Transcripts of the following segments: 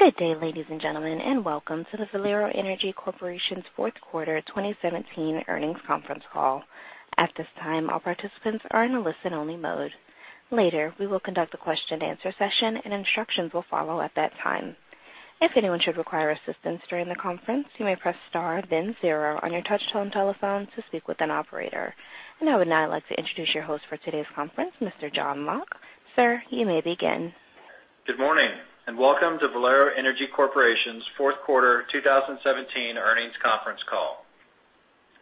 Good day, ladies and gentlemen, and welcome to the Valero Energy Corporation's fourth quarter 2017 earnings conference call. At this time, all participants are in listen-only mode. Later, we will conduct a question-and-answer session, and instructions will follow at that time. If anyone should require assistance during the conference, you may press star then zero on your touchtone telephone to speak with an operator. I would now like to introduce your host for today's conference, Mr. John Locke. Sir, you may begin. Good morning, and welcome to Valero Energy Corporation's fourth quarter 2017 earnings conference call.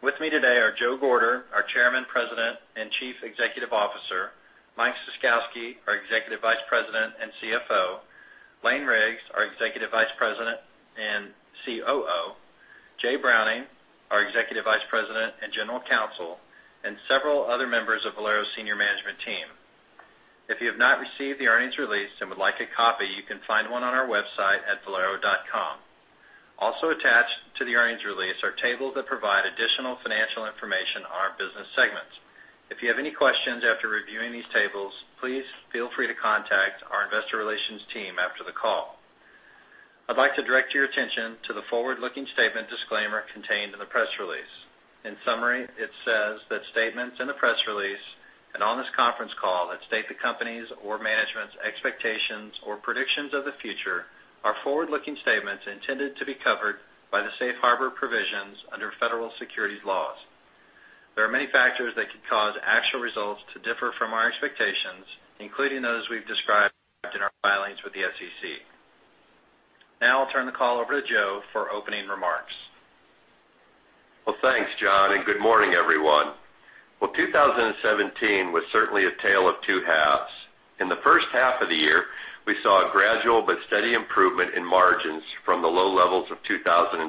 With me today are Joe Gorder, our Chairman, President, and Chief Executive Officer, Mike Ciskowski, our Executive Vice President and CFO, Lane Riggs, our Executive Vice President and COO, Jay Browning, our Executive Vice President and General Counsel, and several other members of Valero's senior management team. If you have not received the earnings release and would like a copy, you can find one on our website at valero.com. Also attached to the earnings release are tables that provide additional financial information on our business segments. If you have any questions after reviewing these tables, please feel free to contact our investor relations team after the call. I'd like to direct your attention to the forward-looking statement disclaimer contained in the press release. In summary, it says that statements in the press release and on this conference call that state the company's or management's expectations or predictions of the future are forward-looking statements intended to be covered by the safe harbor provisions under federal securities laws. There are many factors that could cause actual results to differ from our expectations, including those we've described in our filings with the SEC. Now I'll turn the call over to Joe for opening remarks. Well, thanks, John, and good morning, everyone. Well, 2017 was certainly a tale of two halves. In the first half of the year, we saw a gradual but steady improvement in margins from the low levels of 2016.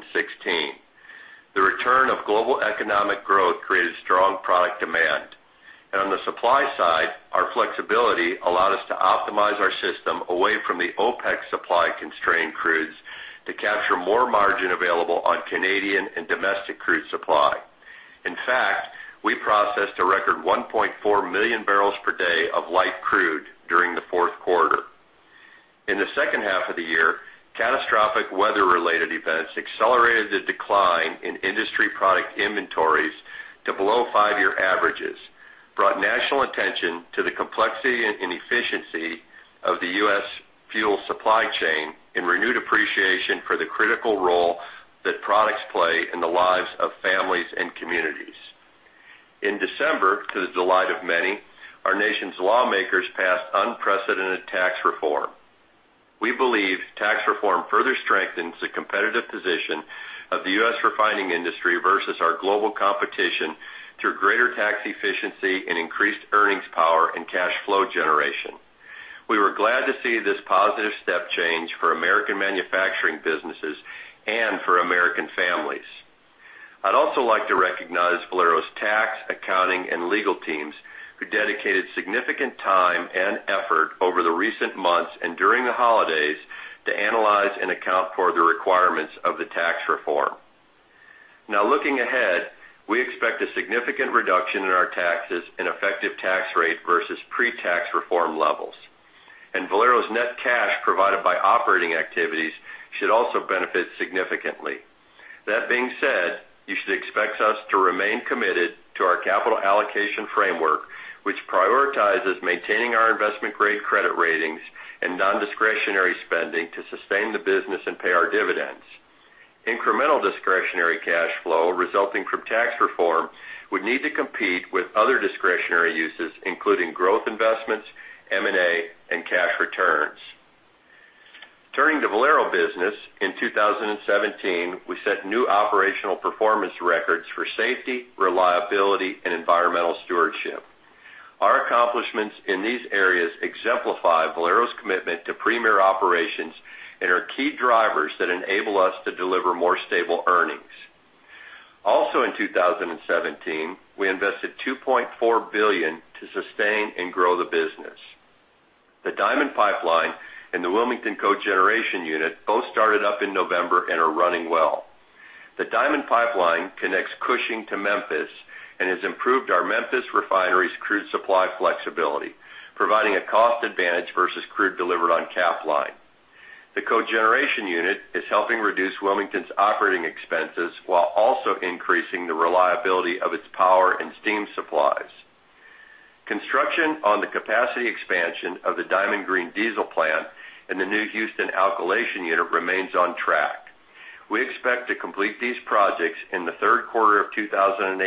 The return of global economic growth created strong product demand. On the supply side, our flexibility allowed us to optimize our system away from the OPEC supply-constrained crudes to capture more margin available on Canadian and domestic crude supply. In fact, we processed a record 1.4 million barrels per day of light crude during the fourth quarter. In the second half of the year, catastrophic weather-related events accelerated the decline in industry product inventories to below five-year averages, brought national attention to the complexity and efficiency of the U.S. fuel supply chain, and renewed appreciation for the critical role that products play in the lives of families and communities. In December, to the delight of many, our nation's lawmakers passed unprecedented tax reform. We believe tax reform further strengthens the competitive position of the U.S. refining industry versus our global competition through greater tax efficiency and increased earnings power and cash flow generation. We were glad to see this positive step change for American manufacturing businesses and for American families. I'd also like to recognize Valero's tax, accounting, and legal teams, who dedicated significant time and effort over the recent months and during the holidays to analyze and account for the requirements of the tax reform. Looking ahead, we expect a significant reduction in our taxes and effective tax rate versus pre-tax reform levels. Valero's net cash provided by operating activities should also benefit significantly. That being said, you should expect us to remain committed to our capital allocation framework, which prioritizes maintaining our investment-grade credit ratings and non-discretionary spending to sustain the business and pay our dividends. Incremental discretionary cash flow resulting from tax reform would need to compete with other discretionary uses, including growth investments, M&A, and cash returns. Turning to Valero business, in 2017, we set new operational performance records for safety, reliability, and environmental stewardship. Our accomplishments in these areas exemplify Valero's commitment to premier operations and are key drivers that enable us to deliver more stable earnings. Also in 2017, we invested $2.4 billion to sustain and grow the business. The Diamond Pipeline and the Wilmington Cogeneration Unit both started up in November and are running well. The Diamond Pipeline connects Cushing to Memphis and has improved our Memphis refinery's crude supply flexibility, providing a cost advantage versus crude delivered on Capline. The Cogeneration unit is helping reduce Wilmington's operating expenses while also increasing the reliability of its power and steam supplies. Construction on the capacity expansion of the Diamond Green Diesel plant and the new Houston alkylation unit remains on track. We expect to complete these projects in the third quarter of 2018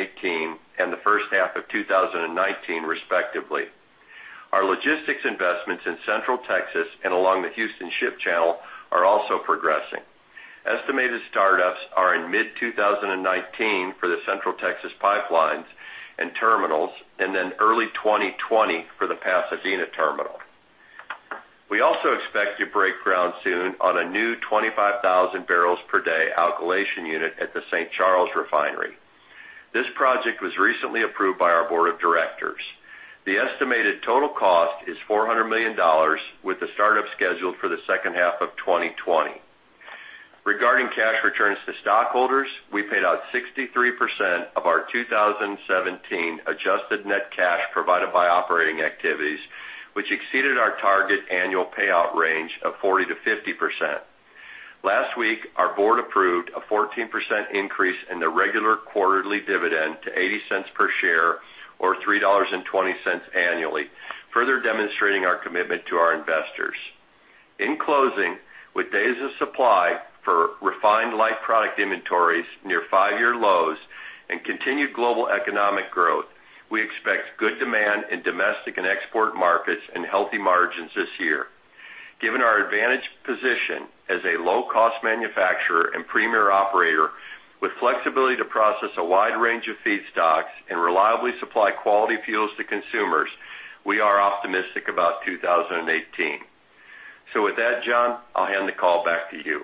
and the first half of 2019, respectively. Our logistics investments in Central Texas and along the Houston Ship Channel are also progressing. Estimated startups are in mid-2019 for the Central Texas pipelines and terminals and then early 2020 for the Pasadena terminal. We also expect to break ground soon on a new 25,000 barrels per day alkylation unit at the St. Charles refinery. This project was recently approved by our board of directors. The estimated total cost is $400 million, with the startup scheduled for the second half of 2020. Regarding cash returns to stockholders, we paid out 63% of our 2017 adjusted net cash provided by operating activities, which exceeded our target annual payout range of 40%-50%. Last week, our board approved a 14% increase in the regular quarterly dividend to $0.80 per share or $3.20 annually, further demonstrating our commitment to our investors. In closing, with days of supply for refined light product inventories near five-year lows and continued global economic growth, we expect good demand in domestic and export markets and healthy margins this year. Given our advantaged position as a low-cost manufacturer and premier operator with flexibility to process a wide range of feedstocks and reliably supply quality fuels to consumers, we are optimistic about 2018. With that, John, I'll hand the call back to you.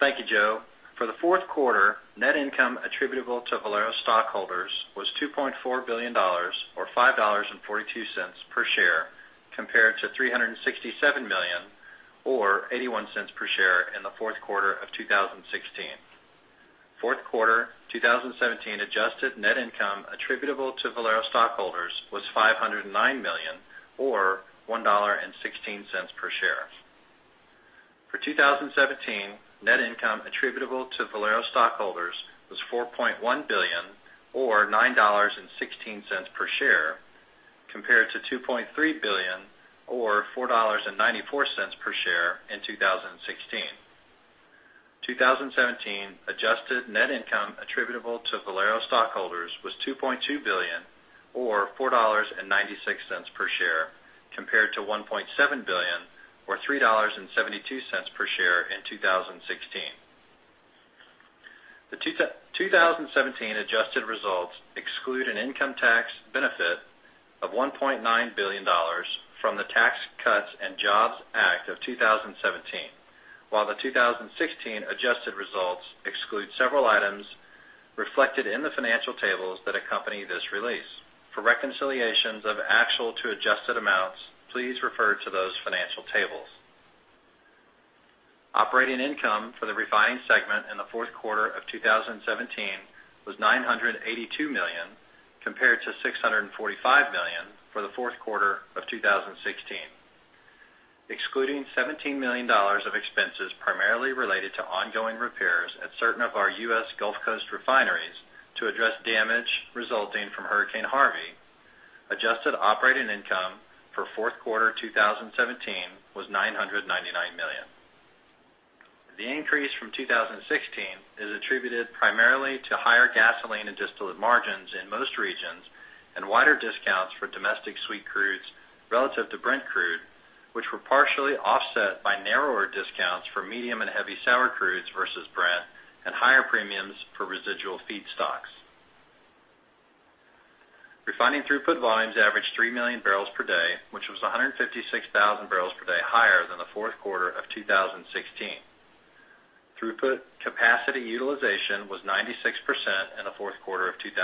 Thank you, Joe. For the fourth quarter, net income attributable to Valero stockholders was $2.4 billion, or $5.42 per share, compared to $367 million, or $0.81 per share in the fourth quarter of 2016. Fourth quarter 2017 adjusted net income attributable to Valero stockholders was $509 million or $1.16 per share. For 2017, net income attributable to Valero stockholders was $4.1 billion or $9.16 per share compared to $2.3 billion or $4.94 per share in 2016. 2017 adjusted net income attributable to Valero stockholders was $2.2 billion or $4.96 per share, compared to $1.7 billion or $3.72 per share in 2016. The 2017 adjusted results exclude an income tax benefit of $1.9 billion from the Tax Cuts and Jobs Act of 2017. The 2016 adjusted results exclude several items reflected in the financial tables that accompany this release. For reconciliations of actual to adjusted amounts, please refer to those financial tables. Operating income for the refining segment in the fourth quarter of 2017 was $982 million, compared to $645 million for the fourth quarter of 2016. Excluding $17 million of expenses primarily related to ongoing repairs at certain of our U.S. Gulf Coast refineries to address damage resulting from Hurricane Harvey, adjusted operating income for fourth quarter 2017 was $999 million. The increase from 2016 is attributed primarily to higher gasoline and distillate margins in most regions and wider discounts for Domestic Sweet crudes relative to Brent crude, which were partially offset by narrower discounts for medium and heavy sour crudes versus Brent and higher premiums for residual feedstocks. Refining throughput volumes averaged 3 million barrels per day, which was 156,000 barrels per day higher than the fourth quarter of 2016. Throughput capacity utilization was 96% in the fourth quarter of 2017.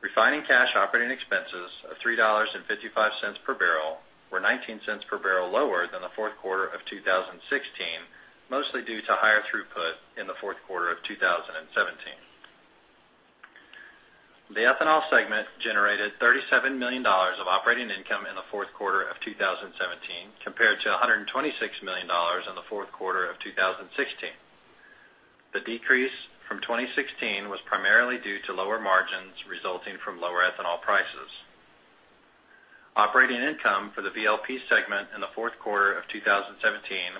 Refining cash operating expenses of $3.55 per barrel were $0.19 per barrel lower than the fourth quarter of 2016, mostly due to higher throughput in the fourth quarter of 2017. The ethanol segment generated $37 million of operating income in the fourth quarter of 2017 compared to $126 million in the fourth quarter of 2016. The decrease from 2016 was primarily due to lower margins resulting from lower ethanol prices. Operating income for the VLP segment in the fourth quarter of 2017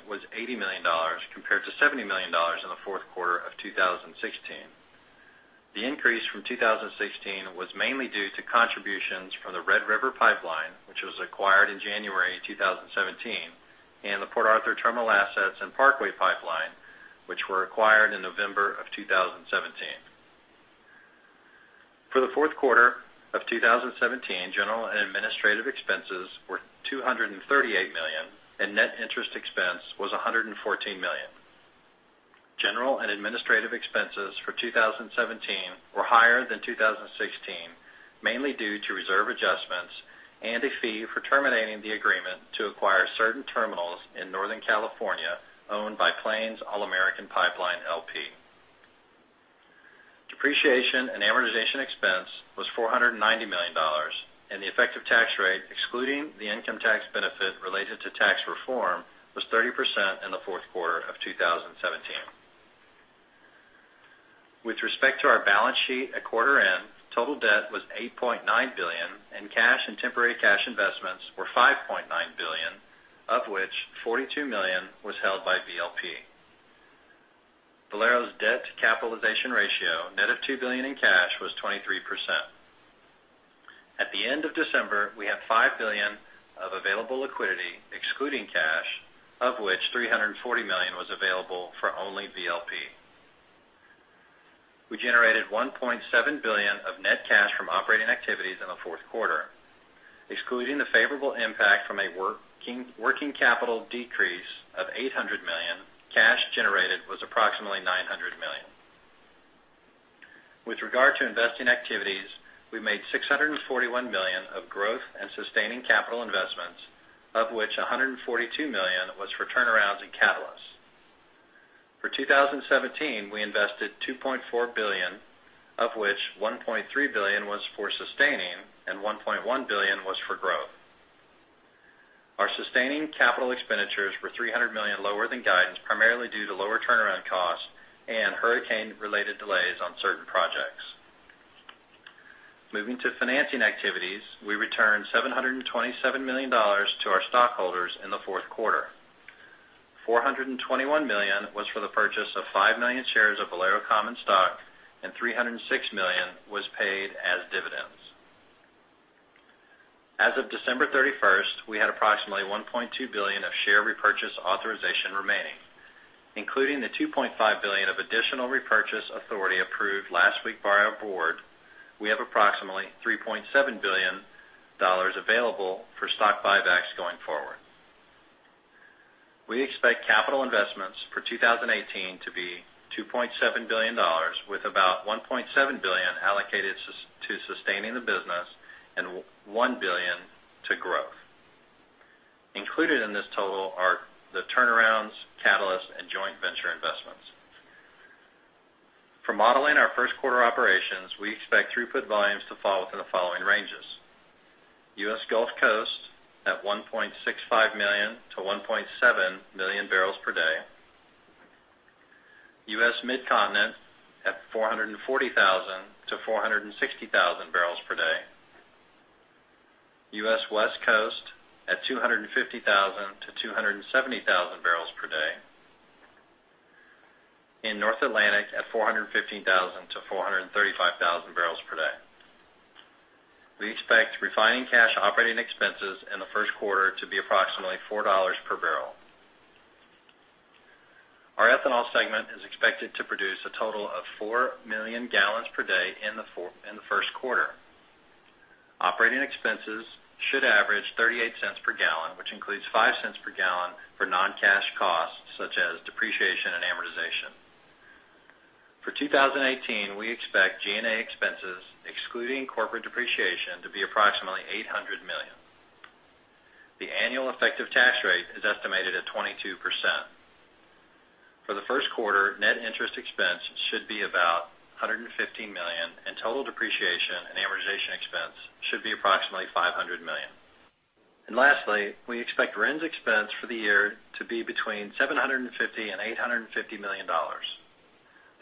was $80 million compared to $70 million in the fourth quarter of 2016. The increase from 2016 was mainly due to contributions from the Red River Pipeline, which was acquired in January 2017, and the Port Arthur Terminal assets and Parkway Pipeline, which were acquired in November of 2017. For the fourth quarter of 2017, general and administrative expenses were $238 million and net interest expense was $114 million. General and administrative expenses for 2017 were higher than 2016, mainly due to reserve adjustments and a fee for terminating the agreement to acquire certain terminals in Northern California owned by Plains All American Pipeline, L.P.. Depreciation and amortization expense was $490 million, and the effective tax rate, excluding the income tax benefit related to tax reform, was 30% in the fourth quarter of 2017. With respect to our balance sheet at quarter end, total debt was $8.9 billion and cash and temporary cash investments were $5.9 billion, of which $42 million was held by VLP. Valero's debt to capitalization ratio, net of $2 billion in cash, was 23%. At the end of December, we had $5 billion of available liquidity excluding cash, of which $340 million was available for only VLP. We generated $1.7 billion of net cash from operating activities in the fourth quarter. Excluding the favorable impact from a working capital decrease of $800 million, cash generated was approximately $900 million. To investing activities, we made $641 million of growth and sustaining capital investments, of which $142 million was for turnarounds in catalysts. For 2017, we invested $2.4 billion, of which $1.3 billion was for sustaining and $1.1 billion was for growth. Our sustaining capital expenditures were $300 million lower than guidance, primarily due to lower turnaround costs and hurricane-related delays on certain projects. Moving to financing activities, we returned $727 million to our stockholders in the fourth quarter. $421 million was for the purchase of 5 million shares of Valero common stock, $306 million was paid as dividends. As of December 31st, we had approximately $1.2 billion of share repurchase authorization remaining. Including the $2.5 billion of additional repurchase authority approved last week by our board, we have approximately $3.7 billion available for stock buybacks going forward. We expect capital investments for 2018 to be $2.7 billion, with about $1.7 billion allocated to sustaining the business and $1 billion to growth. Included in this total are the turnarounds, catalysts, and joint venture investments. For modeling our first quarter operations, we expect throughput volumes to fall within the following ranges: U.S. Gulf Coast at 1.65 million-1.7 million barrels per day, U.S. Midcontinent at 440,000-460,000 barrels per day, U.S. West Coast at 250,000-270,000 barrels per day, North Atlantic at 415,000-435,000 barrels per day. We expect refining cash operating expenses in the first quarter to be approximately $4 per barrel. Our ethanol segment is expected to produce a total of 4 million gallons per day in the first quarter. Operating expenses should average $0.38 per gallon, which includes $0.05 per gallon for non-cash costs such as depreciation and amortization. For 2018, we expect G&A expenses, excluding corporate depreciation, to be approximately $800 million. The annual effective tax rate is estimated at 22%. For the first quarter, net interest expense should be about $115 million, total depreciation and amortization expense should be approximately $500 million. Lastly, we expect RINs expense for the year to be between $750 million and $850 million.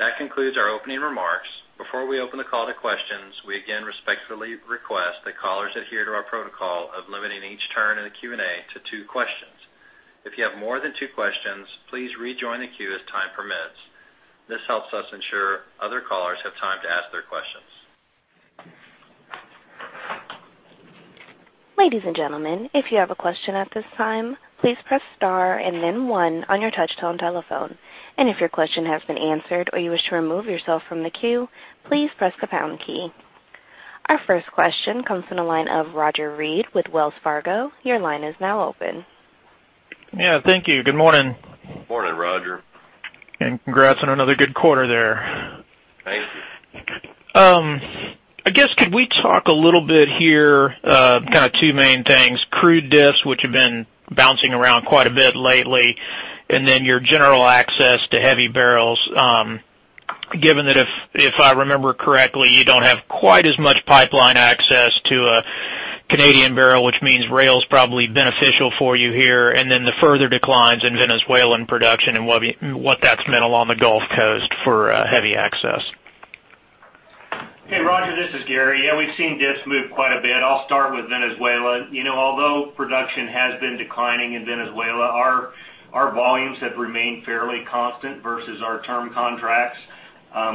That concludes our opening remarks. Before we open the call to questions, we again respectfully request that callers adhere to our protocol of limiting each turn in the Q&A to two questions. If you have more than two questions, please rejoin the queue as time permits. This helps us ensure other callers have time to ask their questions. Ladies and gentlemen, if you have a question at this time, please press star and then one on your touchtone telephone. If your question has been answered or you wish to remove yourself from the queue, please press the pound key. Our first question comes from the line of Roger Read with Wells Fargo. Your line is now open. Yeah, thank you. Good morning. Morning, Roger. Congrats on another good quarter there. Thank you. I guess, could we talk a little bit here, kind of two main things, crude diffs, which have been bouncing around quite a bit lately, and then your general access to heavy barrels, given that if I remember correctly, you don't have quite as much pipeline access to a Canadian barrel, which means rail's probably beneficial for you here, and then the further declines in Venezuelan production and what that's meant along the Gulf Coast for heavy access. Hey, Roger, this is Gary. Yeah, we've seen diffs move quite a bit. I'll start with Venezuela. Although production has been declining in Venezuela, our volumes have remained fairly constant versus our term contracts.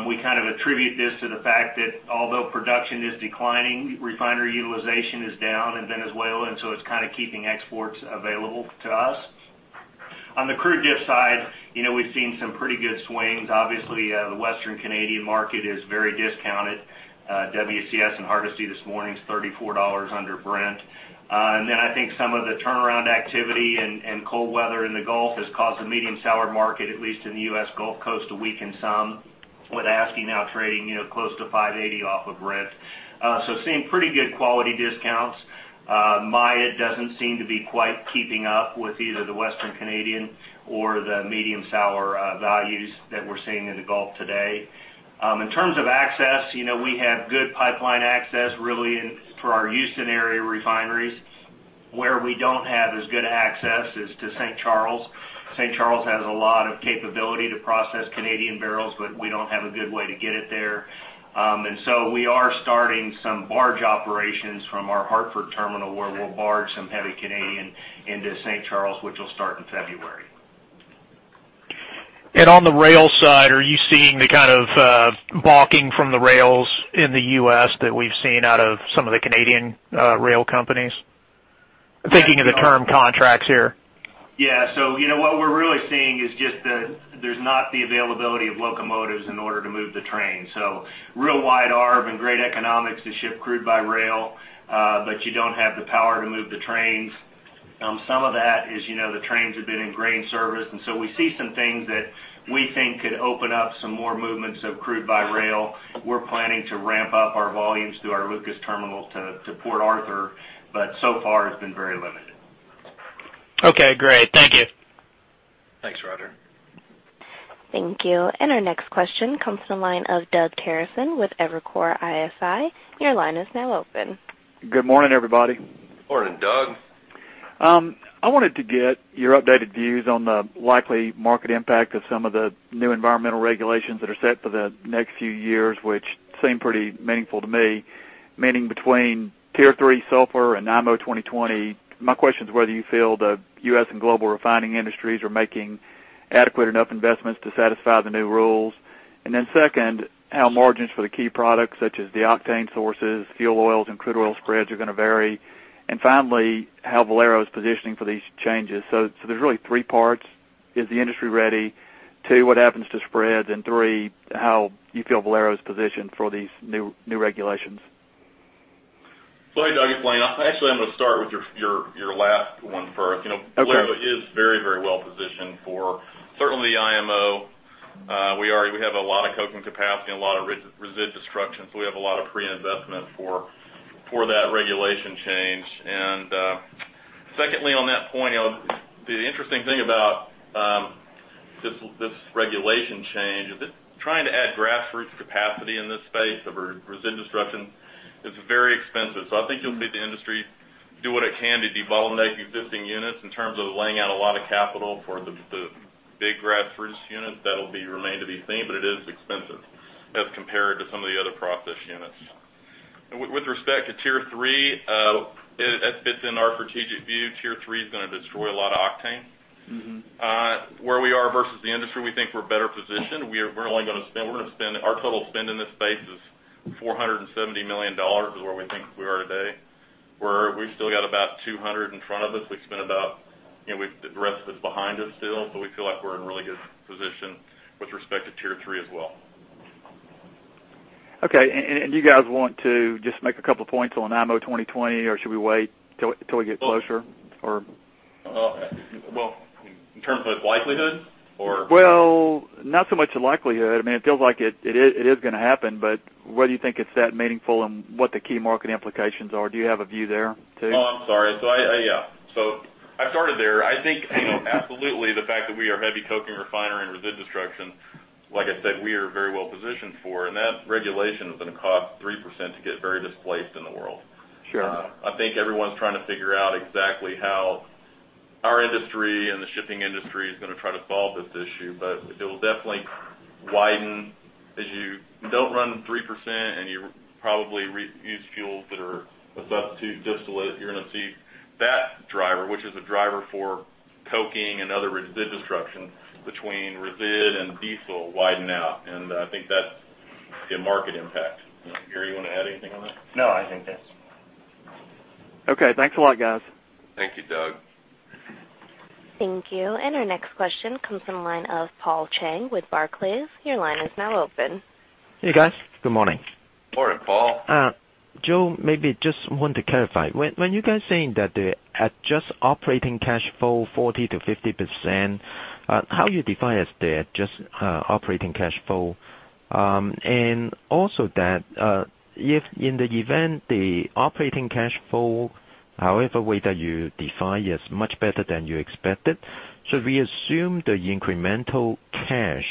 We attribute this to the fact that although production is declining, refinery utilization is down in Venezuela, and so it's keeping exports available to us. On the crude diff side, we've seen some pretty good swings. Obviously, the Western Canadian market is very discounted. WCS in Hardisty this morning is $34 under Brent. Then I think some of the turnaround activity and cold weather in the Gulf has caused the medium sour market, at least in the U.S. Gulf Coast, to weaken some, with ASCI now trading close to $5.80 off of Brent. Seeing pretty good quality discounts. Maya doesn't seem to be quite keeping up with either the Western Canadian or the medium sour values that we're seeing in the Gulf today. In terms of access, we have good pipeline access, really for our Houston area refineries. Where we don't have as good access is to St. Charles. St. Charles has a lot of capability to process Canadian barrels, but we don't have a good way to get it there. We are starting some barge operations from our Hartford terminal where we'll barge some heavy Canadian into St. Charles, which will start in February. On the rail side, are you seeing the kind of balking from the rails in the U.S. that we've seen out of some of the Canadian rail companies? Thinking of the term contracts here. What we're really seeing is just that there's not the availability of locomotives in order to move the train. Real wide arb and great economics to ship crude by rail, but you don't have the power to move the trains. Some of that is the trains have been in grain service, we see some things that we think could open up some more movements of crude by rail. We're planning to ramp up our volumes through our Lucas terminal to Port Arthur, but so far it's been very limited. Okay, great. Thank you. Thanks, Roger. Thank you. Our next question comes from the line of Doug Terreson with Evercore ISI. Your line is now open. Good morning, everybody. Morning, Doug. I wanted to get your updated views on the likely market impact of some of the new environmental regulations that are set for the next few years, which seem pretty meaningful to me, meaning between Tier 3 sulfur and IMO 2020. My question is whether you feel the U.S. and global refining industries are making adequate enough investments to satisfy the new rules. Secondly, how margins for the key products such as the octane sources, fuel oils and crude oil spreads are going to vary. Finally, how Valero is positioning for these changes. There's really three parts. Is the industry ready? Two, what happens to spreads? And three, how you feel Valero's positioned for these new regulations. Doug, actually, I'm going to start with your last one first. Okay. Valero is very well-positioned for certainly IMO. We have a lot of coking capacity and a lot of resid destruction. We have a lot of pre-investment for that regulation change. Secondly, on that point, the interesting thing about this regulation change is that trying to add grassroots capacity in this space of resid destruction is very expensive. I think you'll see the industry do what it can to devolve existing units in terms of laying out a lot of capital for the big grassroots units that'll be remained to be seen. It is expensive as compared to some of the other process units. With respect to Tier 3, it fits in our strategic view. Tier 3 is going to destroy a lot of octane. Where we are versus the industry, we think we're better positioned. Our total spend in this space is $470 million, is where we think we are today, where we've still got about 200 in front of us. We've spent the rest is behind us still. We feel like we're in a really good position with respect to Tier 3 as well. Okay. Do you guys want to just make a couple of points on IMO 2020, or should we wait till we get closer? Well, in terms of likelihood? Well, not so much the likelihood. It feels like it is going to happen, but whether you think it's that meaningful and what the key market implications are. Do you have a view there, too? Oh, I'm sorry. Yeah. I started there. I think absolutely the fact that we are heavy coking refinery and resid destruction, like I said, we are very well positioned for. That regulation is going to cost 3% to get very displaced in the world. Sure. I think everyone's trying to figure out exactly how our industry and the shipping industry is going to try to solve this issue. It will definitely widen as you don't run 3% and you probably use fuels that are a substitute distillate. You're going to see that driver, which is a driver for coking and other resid destruction between resid and diesel widen out. I think that's a market impact. Gary, you want to add anything on that? No, I think that's Okay. Thanks a lot, guys. Thank you, Doug. Thank you. Our next question comes from the line of Paul Cheng with Barclays. Your line is now open. Hey, guys. Good morning. Morning, Paul. Joe, maybe just want to clarify. When you guys saying that they're at just operating cash flow 40%-50%, how you define as they're just operating cash flow? Also that if in the event the operating cash flow, however way that you define, is much better than you expected, should we assume the incremental cash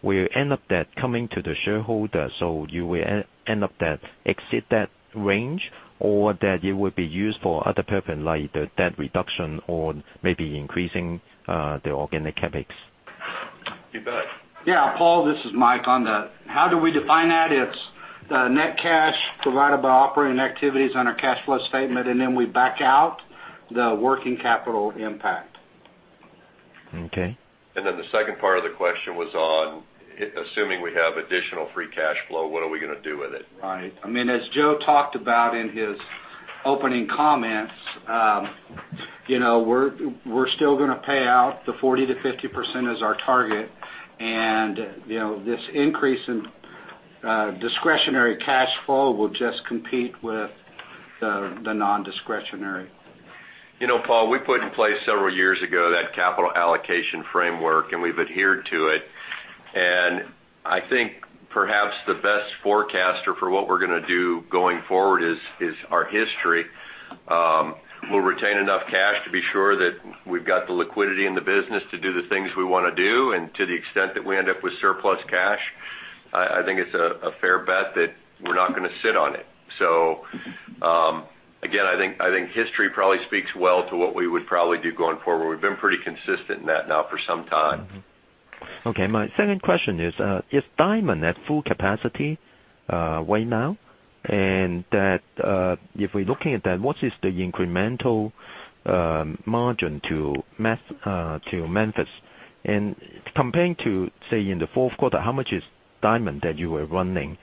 will end up that coming to the shareholder, so you will end up that exceed that range, or that it will be used for other purpose like the debt reduction or maybe increasing the organic CapEx? You bet. Paul, this is Mike on that. How do we define that? It's the net cash provided by operating activities on our cash flow statement, and then we back out the working capital impact. Okay. The second part of the question was on assuming we have additional free cash flow, what are we going to do with it? Right. As Joe Gorder talked about in his opening comments, we're still going to pay out the 40%-50% as our target, and this increase in discretionary cash flow will just compete with the non-discretionary. Paul, we put in place several years ago that capital allocation framework, we've adhered to it. I think perhaps the best forecaster for what we're going to do going forward is our history. We'll retain enough cash to be sure that we've got the liquidity in the business to do the things we want to do. To the extent that we end up with surplus cash, I think it's a fair bet that we're not going to sit on it. Again, I think history probably speaks well to what we would probably do going forward. We've been pretty consistent in that now for some time. Okay. My second question is Diamond at full capacity right now? That if we're looking at that, what is the incremental margin to Memphis? Comparing to, say, in the fourth quarter, how much is Diamond that you were running?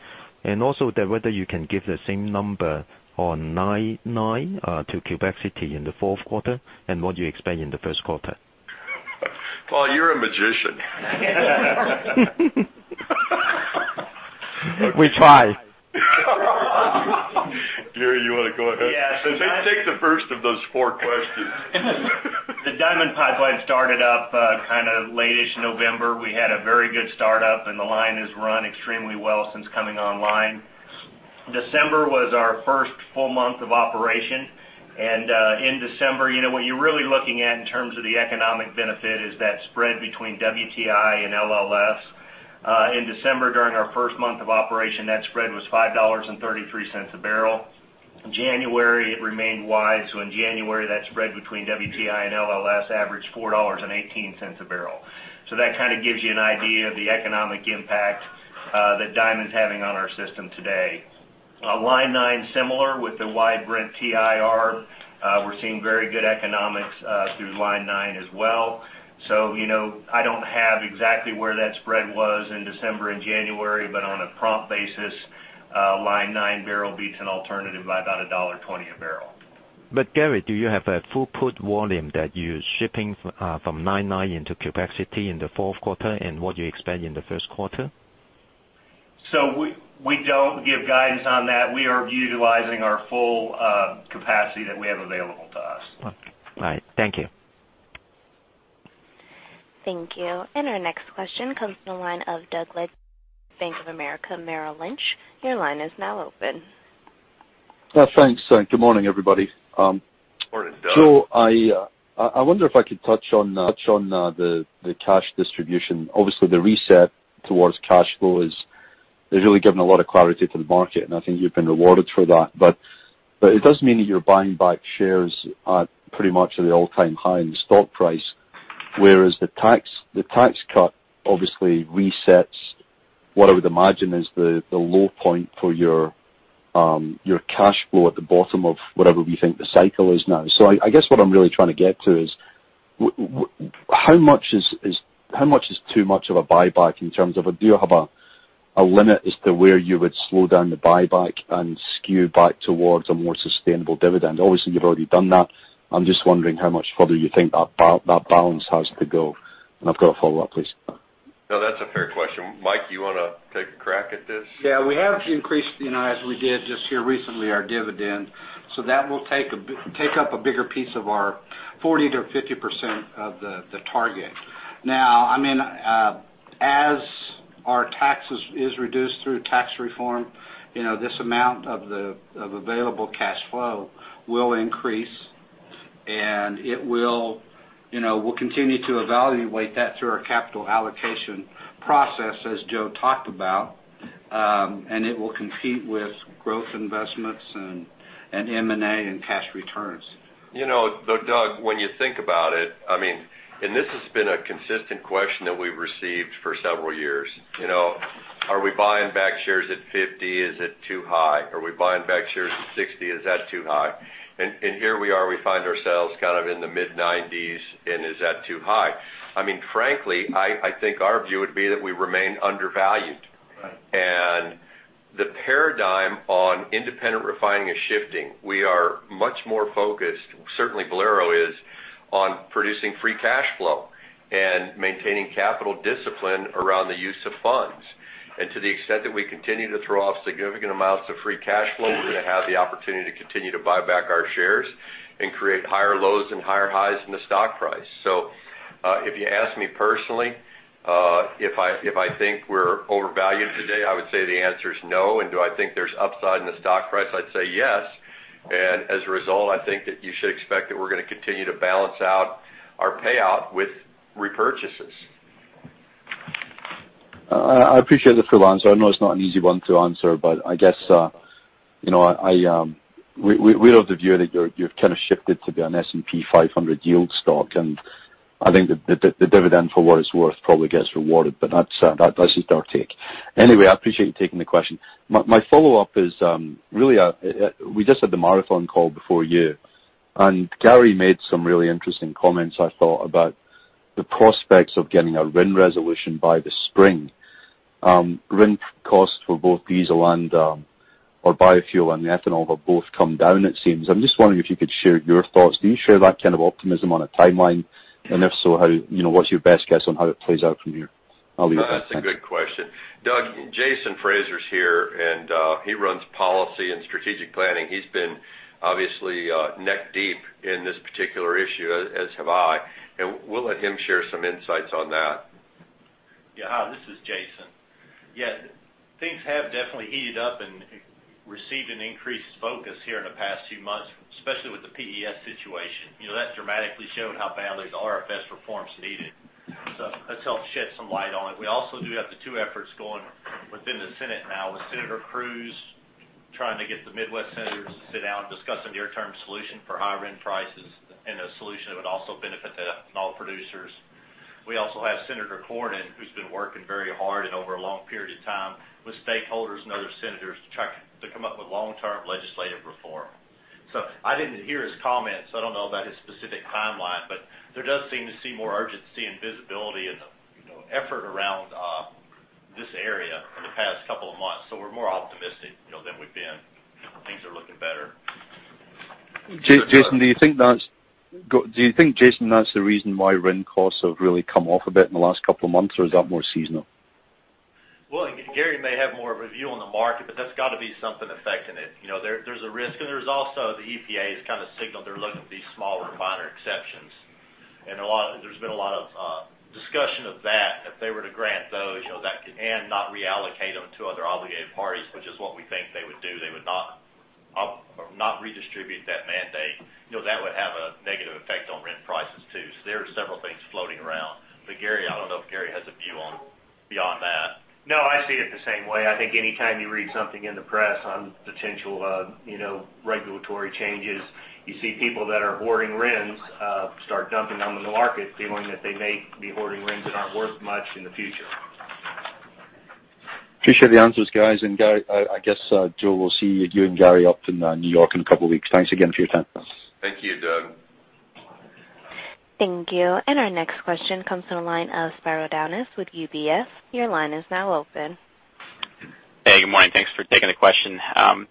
Also that whether you can give the same number on Line 9 to Quebec City in the fourth quarter, and what you expect in the first quarter? Paul, you're a magician. We try. Gary, you want to go ahead? Yes. Take the first of those four questions. The Diamond Pipeline started up late-ish November. We had a very good start-up, and the line has run extremely well since coming online. December was our first full month of operation. In December, what you're really looking at in terms of the economic benefit is that spread between WTI and LLS. In December, during our first month of operation, that spread was $5.33 a barrel. January, it remained wide. In January, that spread between WTI and LLS averaged $4.18 a barrel. That gives you an idea of the economic impact that Diamond's having on our system today. Line 9, similar with the wide Brent WTI. We're seeing very good economics through Line 9 as well. I don't have exactly where that spread was in December and January, but on a prompt basis, Line 9 barrel beats an alternative by about $1.20 a barrel. Gary, do you have a full put volume that you're shipping from Line 9 into capacity in the fourth quarter, and what you expect in the first quarter? We don't give guidance on that. We are utilizing our full capacity that we have available to us. All right. Thank you. Thank you. Our next question comes from the line of Doug Leggate, Bank of America Merrill Lynch. Your line is now open. Thanks. Good morning, everybody. Morning, Doug. Joe, I wonder if I could touch on the cash distribution. Obviously, the reset towards cash flow has really given a lot of clarity to the market, I think you've been rewarded for that. It does mean that you're buying back shares at pretty much at the all-time high in the stock price. Whereas the tax cut obviously resets what I would imagine is the low point for your cash flow at the bottom of whatever we think the cycle is now. I guess what I'm really trying to get to is how much is too much of a buyback do you have a limit as to where you would slow down the buyback and skew back towards a more sustainable dividend? Obviously, you've already done that. I'm just wondering how much further you think that balance has to go. I've got a follow-up, please. No, that's a fair question. Mike, you want to take a crack at this? Yeah, we have increased, as we did just here recently, our dividend. That will take up a bigger piece of our 40%-50% of the target. As our taxes is reduced through tax reform, this amount of available cash flow will increase, and we'll continue to evaluate that through our capital allocation process, as Joe talked about. It will compete with growth investments and M&A and cash returns. Doug, when you think about it, this has been a consistent question that we've received for several years. Are we buying back shares at $50? Is it too high? Are we buying back shares at $60? Is that too high? Here we are, we find ourselves in the mid-$90s, is that too high? Frankly, I think our view would be that we remain undervalued. Right. The paradigm on independent refining is shifting. We are much more focused, certainly Valero is, on producing free cash flow and maintaining capital discipline around the use of funds. To the extent that we continue to throw off significant amounts of free cash flow, we're going to have the opportunity to continue to buy back our shares and create higher lows and higher highs in the stock price. If you ask me personally if I think we're overvalued today, I would say the answer is no. Do I think there's upside in the stock price? I'd say yes. As a result, I think that you should expect that we're going to continue to balance out our payout with repurchases. I appreciate the full answer. I know it's not an easy one to answer, but I guess, we're of the view that you've shifted to be an S&P 500 yield stock, and I think the dividend, for what it's worth, probably gets rewarded. That's just our take. Anyway, I appreciate you taking the question. My follow-up is, we just had the Marathon call before you, and Gary made some really interesting comments, I thought, about the prospects of getting a RIN resolution by the spring. RIN costs for both diesel or biofuel and ethanol have both come down, it seems. I'm just wondering if you could share your thoughts. Do you share that kind of optimism on a timeline? If so, what's your best guess on how it plays out from here? I'll leave it at that. Thanks. That's a good question. Doug, Jason Fraser's here, he runs Policy and Strategic Planning. He's been obviously neck-deep in this particular issue, as have I, we'll let him share some insights on that. Hi, this is Jason. Things have definitely heated up and received an increased focus here in the past few months, especially with the PES situation. That dramatically showed how badly RFS reform's needed. That's helped shed some light on it. We also do have the two efforts going within the Senate now with Senator Cruz trying to get the Midwest senators to sit down and discuss a near-term solution for high RIN prices, a solution that would also benefit the ethanol producers. We also have Senator Cornyn, who's been working very hard and over a long period of time with stakeholders and other senators to come up with long-term legislative reform. I didn't hear his comments, I don't know about his specific timeline. There does seem to see more urgency and visibility in the effort around this area in the past couple of months. We're more optimistic than we've been. Things are looking better. Jason, do you think that's the reason why RIN costs have really come off a bit in the last couple of months or is that more seasonal? Well, Gary may have more of a view on the market, but that's got to be something affecting it. There's a risk, and there's also the EPA has kind of signaled they're looking at these smaller, minor exceptions. There's been a lot of discussion of that. If they were to grant those, and not reallocate them to other obligated parties, which is what we think they would do, they would not redistribute that mandate. That would have a negative effect on RIN prices too. There are several things floating around. Gary, I don't know if Gary has a view beyond that. No, I see it the same way. I think anytime you read something in the press on potential regulatory changes, you see people that are hoarding RINs start dumping on the market, feeling that they may be hoarding RINs that aren't worth much in the future. Appreciate the answers, guys. Gary, I guess, Joe, we'll see you and Gary up in New York in a couple weeks. Thanks again for your time. Thank you, Doug. Thank you. Our next question comes from the line of Spiro Dounis with UBS. Your line is now open. Hey, good morning. Thanks for taking the question.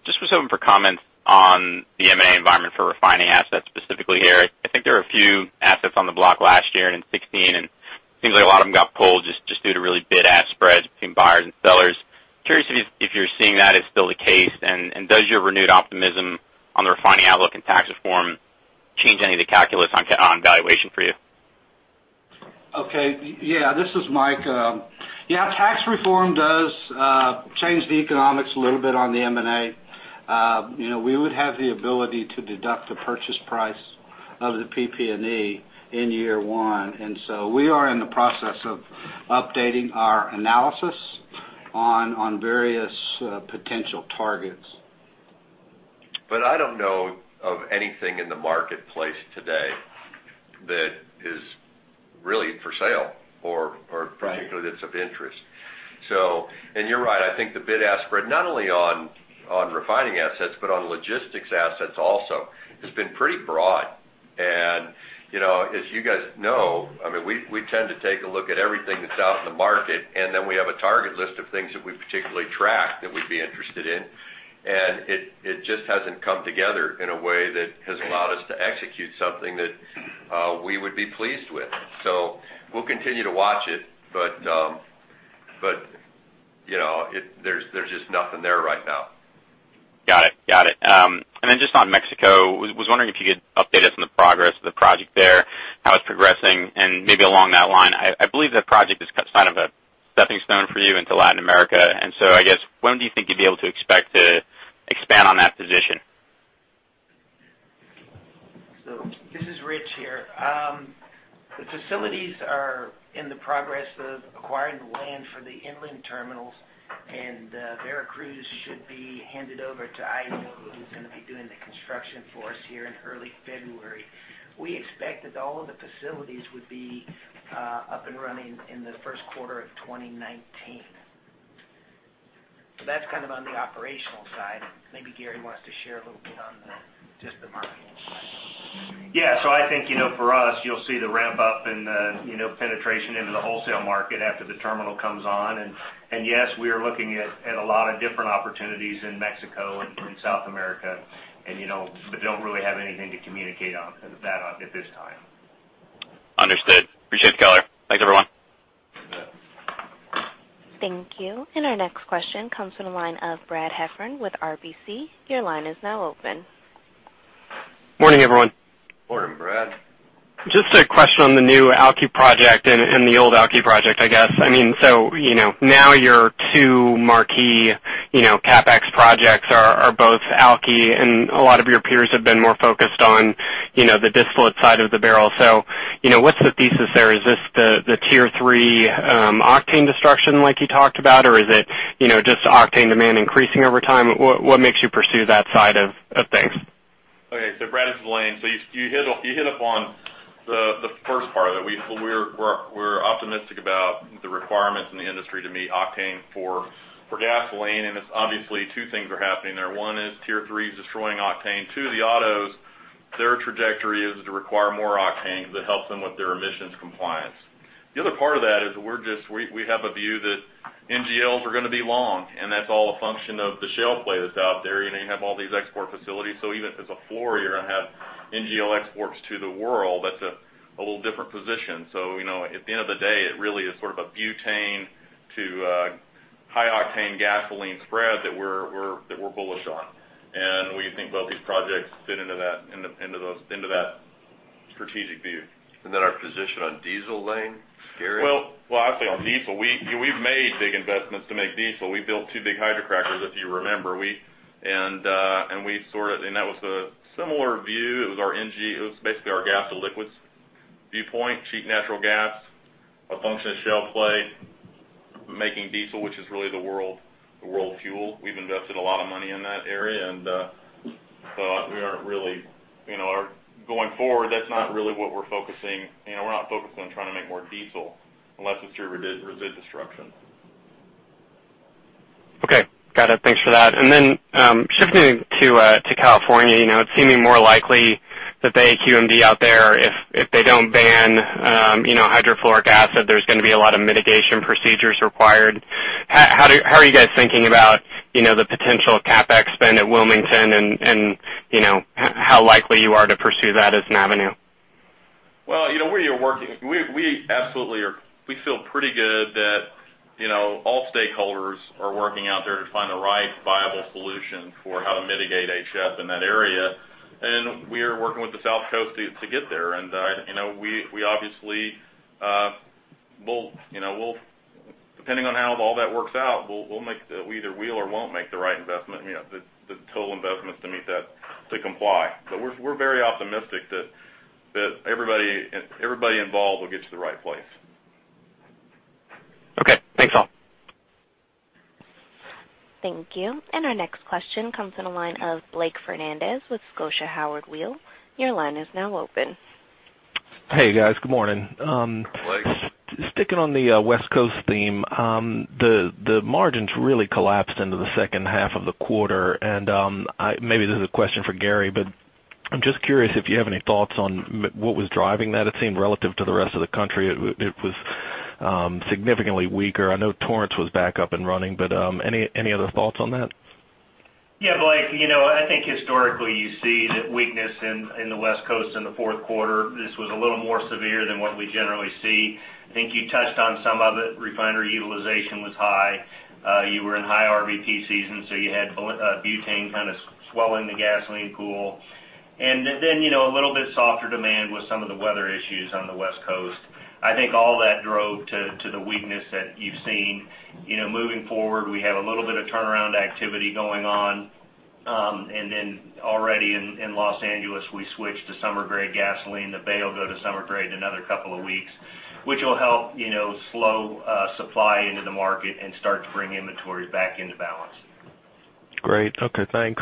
Just was hoping for comments on the M&A environment for refining assets specifically here. I think there were a few assets on the block last year and in 2016, and it seems like a lot of them got pulled just due to really bid-ask spreads between buyers and sellers. Curious if you're seeing that as still the case, and does your renewed optimism on the refining outlook and tax reform change any of the calculus on valuation for you? Okay. Yeah, this is Mike. Yeah, tax reform does change the economics a little bit on the M&A. We would have the ability to deduct the purchase price of the PP&E in year one. We are in the process of updating our analysis on various potential targets. I don't know of anything in the marketplace today that is really for sale or particularly that's of interest. You're right, I think the bid-ask spread, not only on refining assets, but on logistics assets also, has been pretty broad. As you guys know, we tend to take a look at everything that's out in the market, then we have a target list of things that we particularly track that we'd be interested in. It just hasn't come together in a way that has allowed us to execute something that we would be pleased with. We'll continue to watch it, but there's just nothing there right now. Got it. Then just on Mexico, was wondering if you could update us on the progress of the project there, how it's progressing, and maybe along that line. I believe that project is kind of a stepping stone for you into Latin America. I guess, when do you think you'd be able to expect to expand on that position? This is Rich here. The facilities are in the progress of acquiring the land for the inland terminals, and Veracruz should be handed over to IEnova, who's going to be doing the construction for us here in early February. We expect that all of the facilities would be up and running in the first quarter of 2019. That's kind of on the operational side. Maybe Gary wants to share a little bit on just the market. Yeah. I think for us, you'll see the ramp up in the penetration into the wholesale market after the terminal comes on. Yes, we are looking at a lot of different opportunities in Mexico and South America, but don't really have anything to communicate on that at this time. Understood. Appreciate the color. Thanks, everyone. Thank you. Our next question comes from the line of Brad Heffern with RBC. Your line is now open. Morning, everyone. Morning, Brad. Just a question on the new alky project and the old alky project, I guess. Now your two marquee CapEx projects are both alky and a lot of your peers have been more focused on the distillate side of the barrel. What's the thesis there? Is this the Tier 3 octane destruction like you talked about? Is it just octane demand increasing over time? What makes you pursue that side of things? Brad, this is Lane. You hit upon the first part, that we're optimistic about the requirements in the industry to meet octane for gasoline. It's obviously two things are happening there. One is Tier 3 is destroying octane. Two, the autos, their trajectory is to require more octane because it helps them with their emissions compliance. The other part of that is we have a view that NGLs are going to be long, and that's all a function of the shale play that's out there. You have all these export facilities, even if there's a floor, you're going to have NGL exports to the world. That's a little different position. At the end of the day, it really is sort of a butane to high octane gasoline spread that we're bullish on. We think both these projects fit into that strategic view. Our position on diesel, Lane? Gary? I'll say on diesel, we've made big investments to make diesel. We built two big hydrocrackers, if you remember. That was a similar view. It was basically our gas to liquids viewpoint. Cheap natural gas, a function of shale play, making diesel, which is really the world fuel. We've invested a lot of money in that area. Going forward, that's not really what we're focusing. We're not focusing on trying to make more diesel unless it's through resid destruction. Okay. Got it. Thanks for that. Shifting to California, it's seeming more likely that the AQMD out there, if they don't ban hydrofluoric acid, there's going to be a lot of mitigation procedures required. How are you guys thinking about the potential CapEx spend at Wilmington and how likely you are to pursue that as an avenue? Well, we absolutely feel pretty good that all stakeholders are working out there to find the right viable solution for how to mitigate HF in that area. We are working with the South Coast to get there. We obviously will, depending on how all that works out, we either will or won't make the right investment, the total investments to meet that to comply. We're very optimistic that everybody involved will get to the right place. Okay. Thanks all. Thank you. Our next question comes in the line of Blake Fernandez with Scotia Howard Weil. Your line is now open. Hey, guys. Good morning. Blake. Sticking on the West Coast theme. The margins really collapsed into the second half of the quarter. Maybe this is a question for Gary, but I'm just curious if you have any thoughts on what was driving that. It seemed relative to the rest of the country. It was significantly weaker. I know Torrance was back up and running, but any other thoughts on that? Yeah, Blake. I think historically you see that weakness in the West Coast in the fourth quarter. This was a little more severe than what we generally see. I think you touched on some of it. Refinery utilization was high. You were in high RVP season, so you had butane kind of swelling the gasoline pool. A little bit softer demand with some of the weather issues on the West Coast. I think all that drove to the weakness that you've seen. Moving forward, we have a little bit of turnaround activity going on. Already in Los Angeles, we switched to summer-grade gasoline. The Bay will go to summer grade in another couple of weeks, which will help slow supply into the market and start to bring inventories back into balance. Great. Okay, thanks.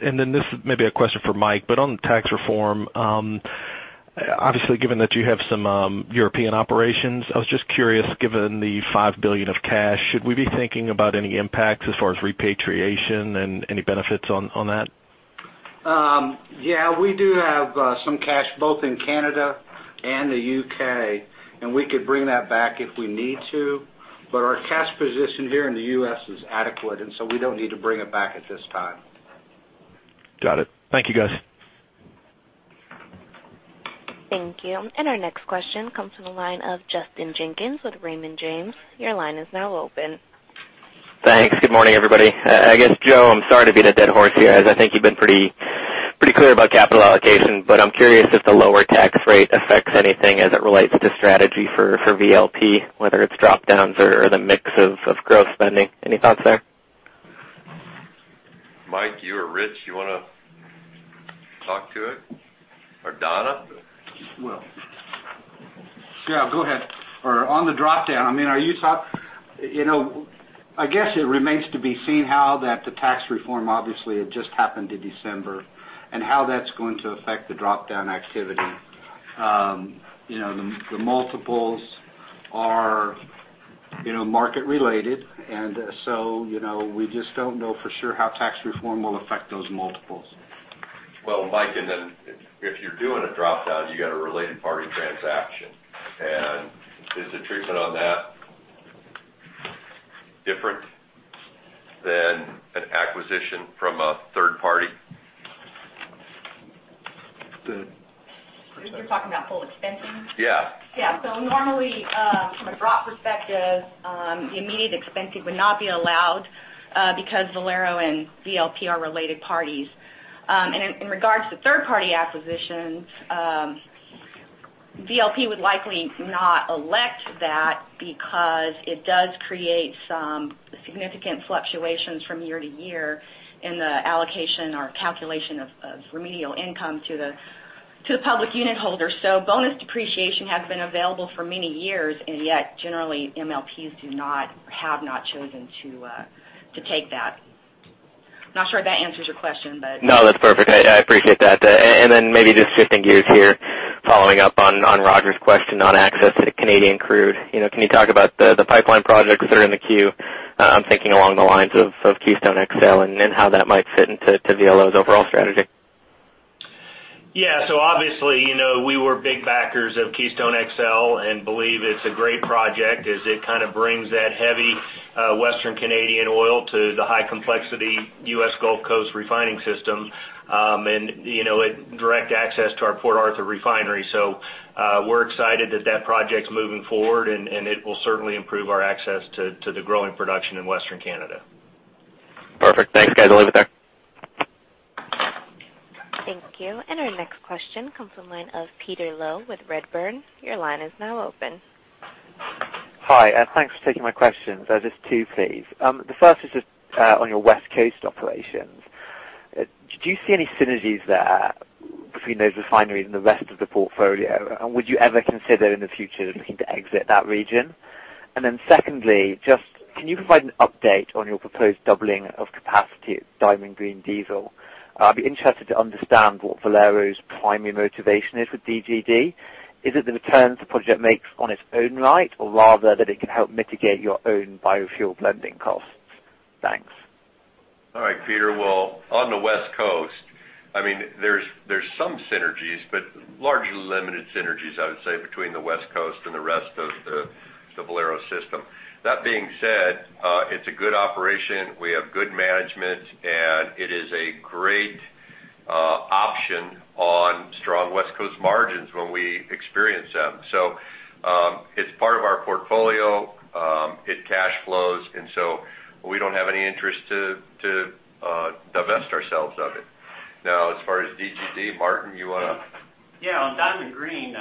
This may be a question for Mike, but on tax reform obviously given that you have some European operations, I was just curious, given the $5 billion of cash, should we be thinking about any impacts as far as repatriation and any benefits on that? Yeah, we do have some cash both in Canada and the U.K., we could bring that back if we need to. Our cash position here in the U.S. is adequate, we don't need to bring it back at this time. Got it. Thank you, guys. Thank you. Our next question comes from the line of Justin Jenkins with Raymond James. Your line is now open. Thanks. Good morning, everybody. I guess, Joe, I'm sorry to beat a dead horse here, as I think you've been pretty clear about capital allocation, I'm curious if the lower tax rate affects anything as it relates to strategy for VLP, whether it's drop-downs or the mix of growth spending. Any thoughts there? Mike, you or Rich, you want to talk to it? Or Donna? Well, yeah, go ahead. On the drop-down, I guess it remains to be seen how that the Tax Reform obviously it just happened in December and how that's going to affect the drop-down activity. The multiples are market related and so we just don't know for sure how Tax Reform will affect those multiples. Well, Mike, and then if you're doing a drop-down, you got a related party transaction. Is the treatment on that different than an acquisition from a third party? The- You're talking about full expensing? Yeah. Yeah. Normally from a drop perspective the immediate expensing would not be allowed because Valero and VLP are related parties. In regards to third party acquisitions VLP would likely not elect that because it does create some significant fluctuations from year to year in the allocation or calculation of remedial income to the public unit holder. Bonus depreciation has been available for many years, and yet generally MLPs do not or have not chosen to take that. I'm not sure if that answers your question. No, that's perfect. I appreciate that. Maybe just shifting gears here, following up on Roger's question on access to Canadian crude. Can you talk about the pipeline projects that are in the queue? I'm thinking along the lines of Keystone XL and how that might fit into VLO's overall strategy. Yeah. Obviously, we were big backers of Keystone XL and believe it's a great project as it kind of brings that heavy Western Canadian oil to the high complexity U.S. Gulf Coast refining system. It direct access to our Port Arthur refinery. We're excited that that project's moving forward, and it will certainly improve our access to the growing production in Western Canada. Perfect. Thanks, guys. I'll leave it there. Thank you. Our next question comes from the line of Peter Low with Redburn. Your line is now open. Hi, thanks for taking my questions. There's just two, please. The first is just on your West Coast operations. Do you see any synergies there between those refineries and the rest of the portfolio? Would you ever consider in the future looking to exit that region? Secondly, just can you provide an update on your proposed doubling of capacity at Diamond Green Diesel? I'd be interested to understand what Valero's primary motivation is with DGD. Is it the returns the project makes on its own right, or rather that it can help mitigate your own biofuel blending costs? Thanks. All right, Peter. Well, on the West Coast, there's some synergies, but largely limited synergies, I would say, between the West Coast and the rest of the Valero system. That being said, it's a good operation. We have good management, and it is a great option on strong West Coast margins when we experience them. It's part of our portfolio. It cash flows, and we don't have any interest to divest ourselves of it. Now, as far as DGD, Martin, you want to? Yeah. On Diamond Green,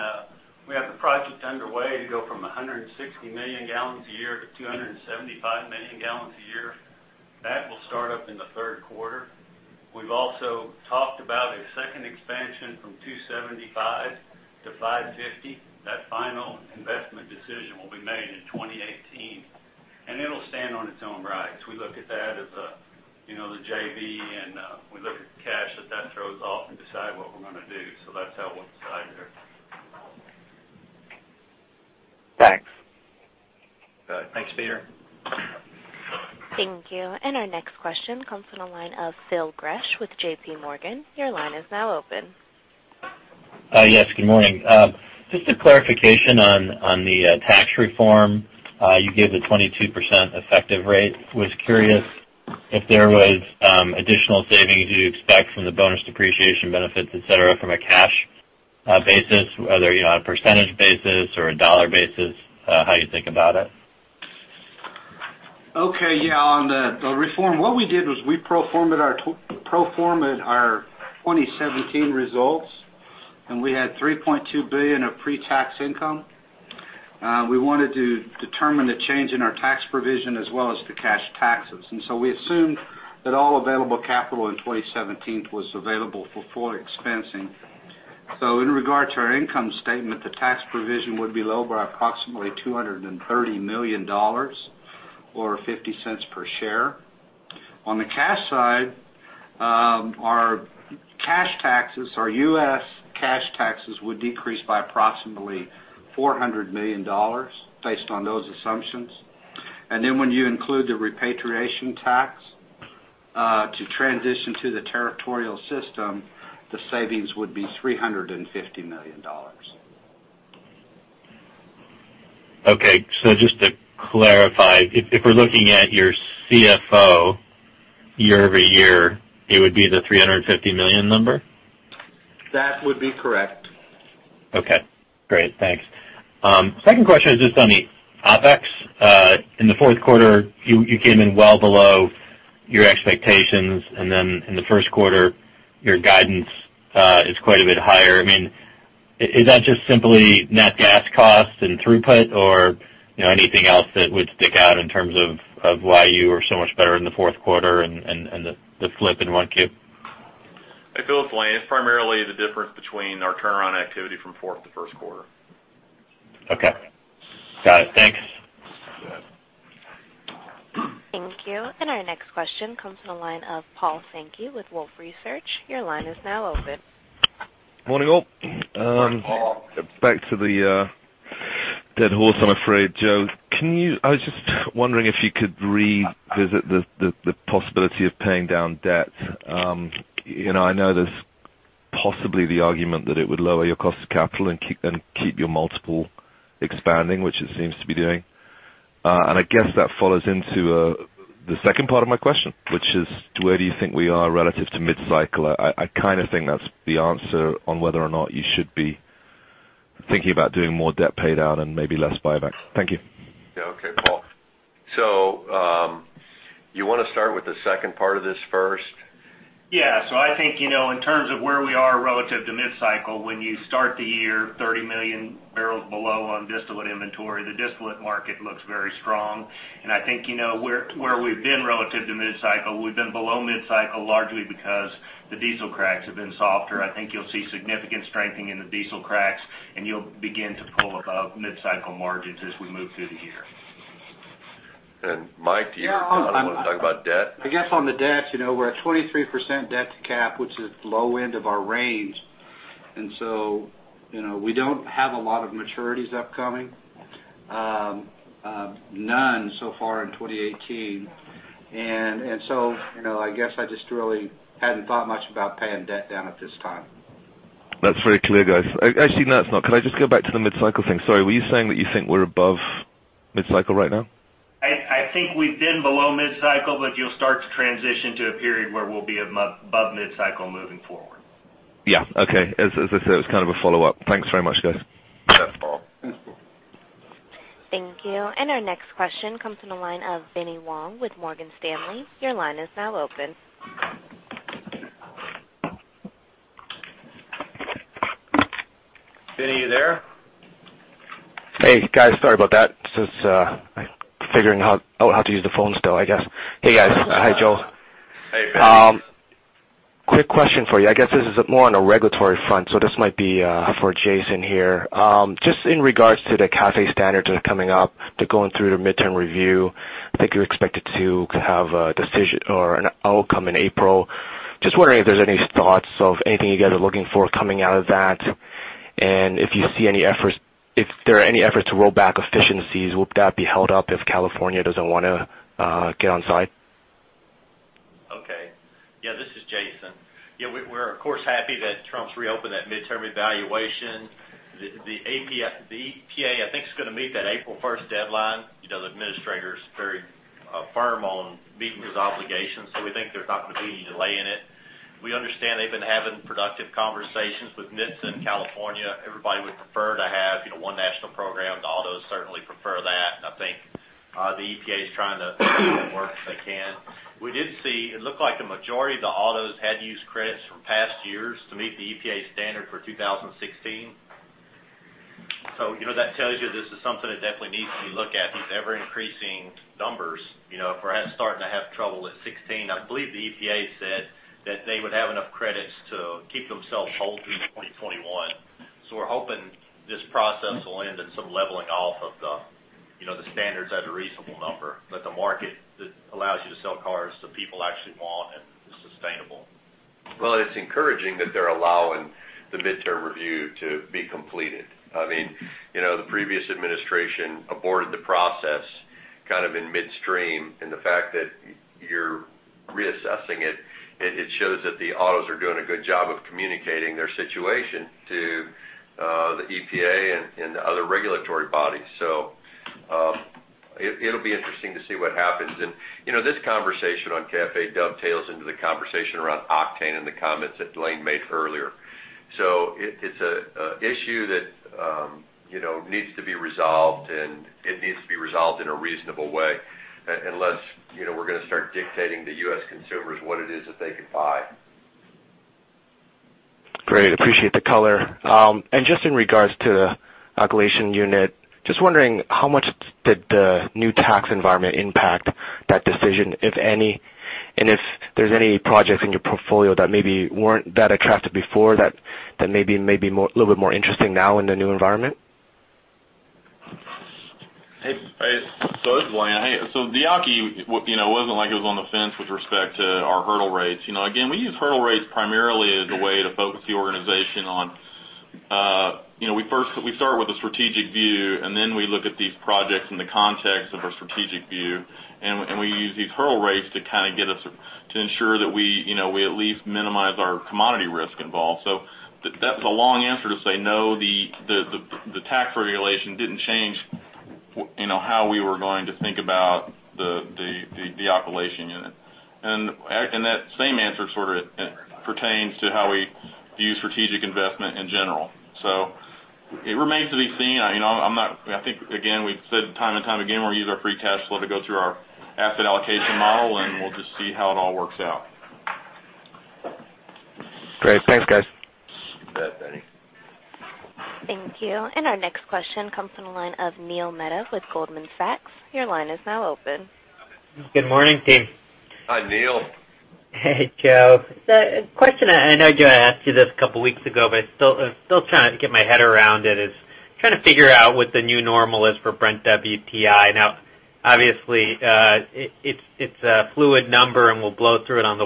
we have the project underway to go from 160 million gallons a year to 275 million gallons a year. That will start up in the third quarter. We've also talked about a second expansion from 275 to 550. That final investment decision will be made in 2018. It'll stand on its own rights. We look at that as a JV, and we look at the cash that throws off and decide what we're going to do. That's how we'll decide there. Thanks. Good. Thanks, Peter. Thank you. Our next question comes from the line of Phil Gresh with JPMorgan. Your line is now open. Yes, good morning. Just a clarification on the tax reform. You gave a 22% effective rate. Was curious if there was additional savings you'd expect from the bonus depreciation benefits, et cetera, from a cash basis, whether on a percentage basis or a dollar basis, how you think about it? Okay. Yeah. On the reform, what we did was we pro formed our 2017 results, we had $3.2 billion of pre-tax income. We wanted to determine the change in our tax provision as well as the cash taxes. We assumed that all available capital in 2017 was available for full expensing. So in regard to our income statement, the tax provision would be low by approximately $230 million or $0.50 per share. On the cash side, our cash taxes, our U.S. cash taxes would decrease by approximately $400 million based on those assumptions. When you include the repatriation tax to transition to the territorial system, the savings would be $350 million. Okay, just to clarify, if we're looking at your CFO year-over-year, it would be the $350 million number? That would be correct. Okay, great. Thanks. Second question is just on the OpEx. In the fourth quarter, you came in well below your expectations, then in the first quarter, your guidance is quite a bit higher. Is that just simply net gas cost and throughput or anything else that would stick out in terms of why you were so much better in the fourth quarter and the flip in 1Q? Hey, Phil, it's Lane. It's primarily the difference between our turnaround activity from fourth to first quarter. Okay. Got it. Thanks. Yeah. Thank you. Our next question comes from the line of Paul Sankey with Wolfe Research. Your line is now open. Morning, all. Morning, Paul. Back to the dead horse, I'm afraid. Joe, I was just wondering if you could revisit the possibility of paying down debt. I know there's possibly the argument that it would lower your cost of capital and keep your multiple expanding, which it seems to be doing. I guess that follows into the second part of my question, which is where do you think we are relative to mid-cycle? I kind of think that's the answer on whether or not you should be thinking about doing more debt paid down and maybe less buyback. Thank you. Yeah. Okay, Paul. You want to start with the second part of this first? Yeah. I think, in terms of where we are relative to mid-cycle, when you start the year 30 million barrels below on distillate inventory, the distillate market looks very strong. I think where we've been relative to mid-cycle, we've been below mid-cycle largely because the diesel cracks have been softer. I think you'll see significant strengthening in the diesel cracks, you'll begin to pull above mid-cycle margins as we move through the year. Mike, do you want to talk about debt? I guess on the debt, we're at 23% debt to cap, which is low end of our range. We don't have a lot of maturities upcoming. None so far in 2018. I guess I just really hadn't thought much about paying debt down at this time. That's very clear, guys. Actually, no, it's not. Could I just go back to the mid-cycle thing? Sorry, were you saying that you think we're above mid-cycle right now? I think we've been below mid-cycle, but you'll start to transition to a period where we'll be above mid-cycle moving forward. Yeah. Okay. As I said, it was kind of a follow-up. Thanks very much, guys. Thanks, Paul. Thank you. Our next question comes from the line of Benny Wong with Morgan Stanley. Your line is now open. Benny, you there? Hey, guys. Sorry about that. Just figuring out how to use the phone still, I guess. Hey, guys. Hi, Joe. Hey, Benny. Quick question for you. I guess this is more on a regulatory front, so this might be for Jason here. Just in regards to the CAFE standards that are coming up. They're going through the midterm review. I think you're expected to have a decision or an outcome in April. Just wondering if there's any thoughts of anything you guys are looking for coming out of that, if there are any efforts to roll back efficiencies, would that be held up if California doesn't want to get on site? Okay. Yeah, this is Jason. Yeah, we're of course happy that Trump's reopened that midterm evaluation. The EPA, I think, is going to meet that April 1st deadline. The administrator's very firm on meeting his obligations, so we think there's not going to be any delay in it. We understand they've been having productive conversations with Memphis and California. Everybody would prefer to have one national program. The autos certainly prefer that, I think the EPA is trying to make that work if they can. We did see, it looked like the majority of the autos had used credits from past years to meet the EPA standard for 2016. That tells you this is something that definitely needs to be looked at, these ever-increasing numbers. If we're starting to have trouble at 2016, I believe the EPA said that they would have enough credits to keep themselves whole through 2021. We're hoping this process will end in some leveling off of the standards at a reasonable number that the market allows you to sell cars that people actually want and is sustainable. Well, it's encouraging that they're allowing the midterm review to be completed. I mean, the previous administration aborted the process kind of in midstream. The fact that you're reassessing it shows that the autos are doing a good job of communicating their situation to the EPA and the other regulatory bodies. It'll be interesting to see what happens. This conversation on CAFE dovetails into the conversation around octane and the comments that Lane made earlier. It's an issue that needs to be resolved, and it needs to be resolved in a reasonable way. Unless we're going to start dictating to U.S. consumers what it is that they can buy. Great. Appreciate the color. Just in regards to the alkylation unit, just wondering how much did the new tax environment impact that decision, if any, and if there's any projects in your portfolio that maybe weren't that attractive before that may be a little bit more interesting now in the new environment? Hey. This is Lane. The alky, it wasn't like it was on the fence with respect to our hurdle rates. Again, we use hurdle rates primarily as a way to focus the organization on. We start with a strategic view, we look at these projects in the context of our strategic view. We use these hurdle rates to ensure that we at least minimize our commodity risk involved. That was a long answer to say, no, the tax regulation didn't change how we were going to think about the alkylation unit. That same answer sort of pertains to how we view strategic investment in general. It remains to be seen. I think, again, we've said time and time again, we'll use our free cash flow to go through our asset allocation model, and we'll just see how it all works out. Great. Thanks, guys. You bet, Benny. Thank you. Our next question comes from the line of Neil Mehta with Goldman Sachs. Your line is now open. Good morning, team. Hi, Neil. A question, I know I asked you this a couple of weeks ago, but still trying to get my head around it, is trying to figure out what the new normal is for Brent WTI. Obviously, it's a fluid number, and we'll blow through it on the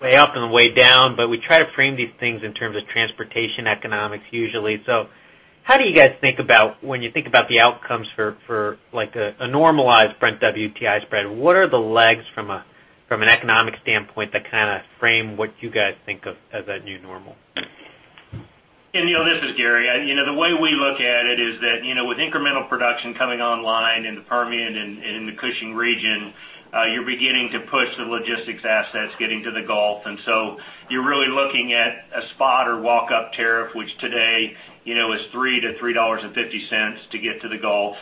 way up and the way down. We try to frame these things in terms of transportation economics, usually. How do you guys think about when you think about the outcomes for a normalized Brent WTI spread? What are the legs from an economic standpoint that kind of frame what you guys think of as that new normal? Hey, Neil, this is Gary. The way we look at it is that with incremental production coming online in the Permian and in the Cushing region, you're beginning to push the logistics assets getting to the Gulf. You're really looking at a spot or walk-up tariff, which today is $3 to $3.50 to get to the Gulf.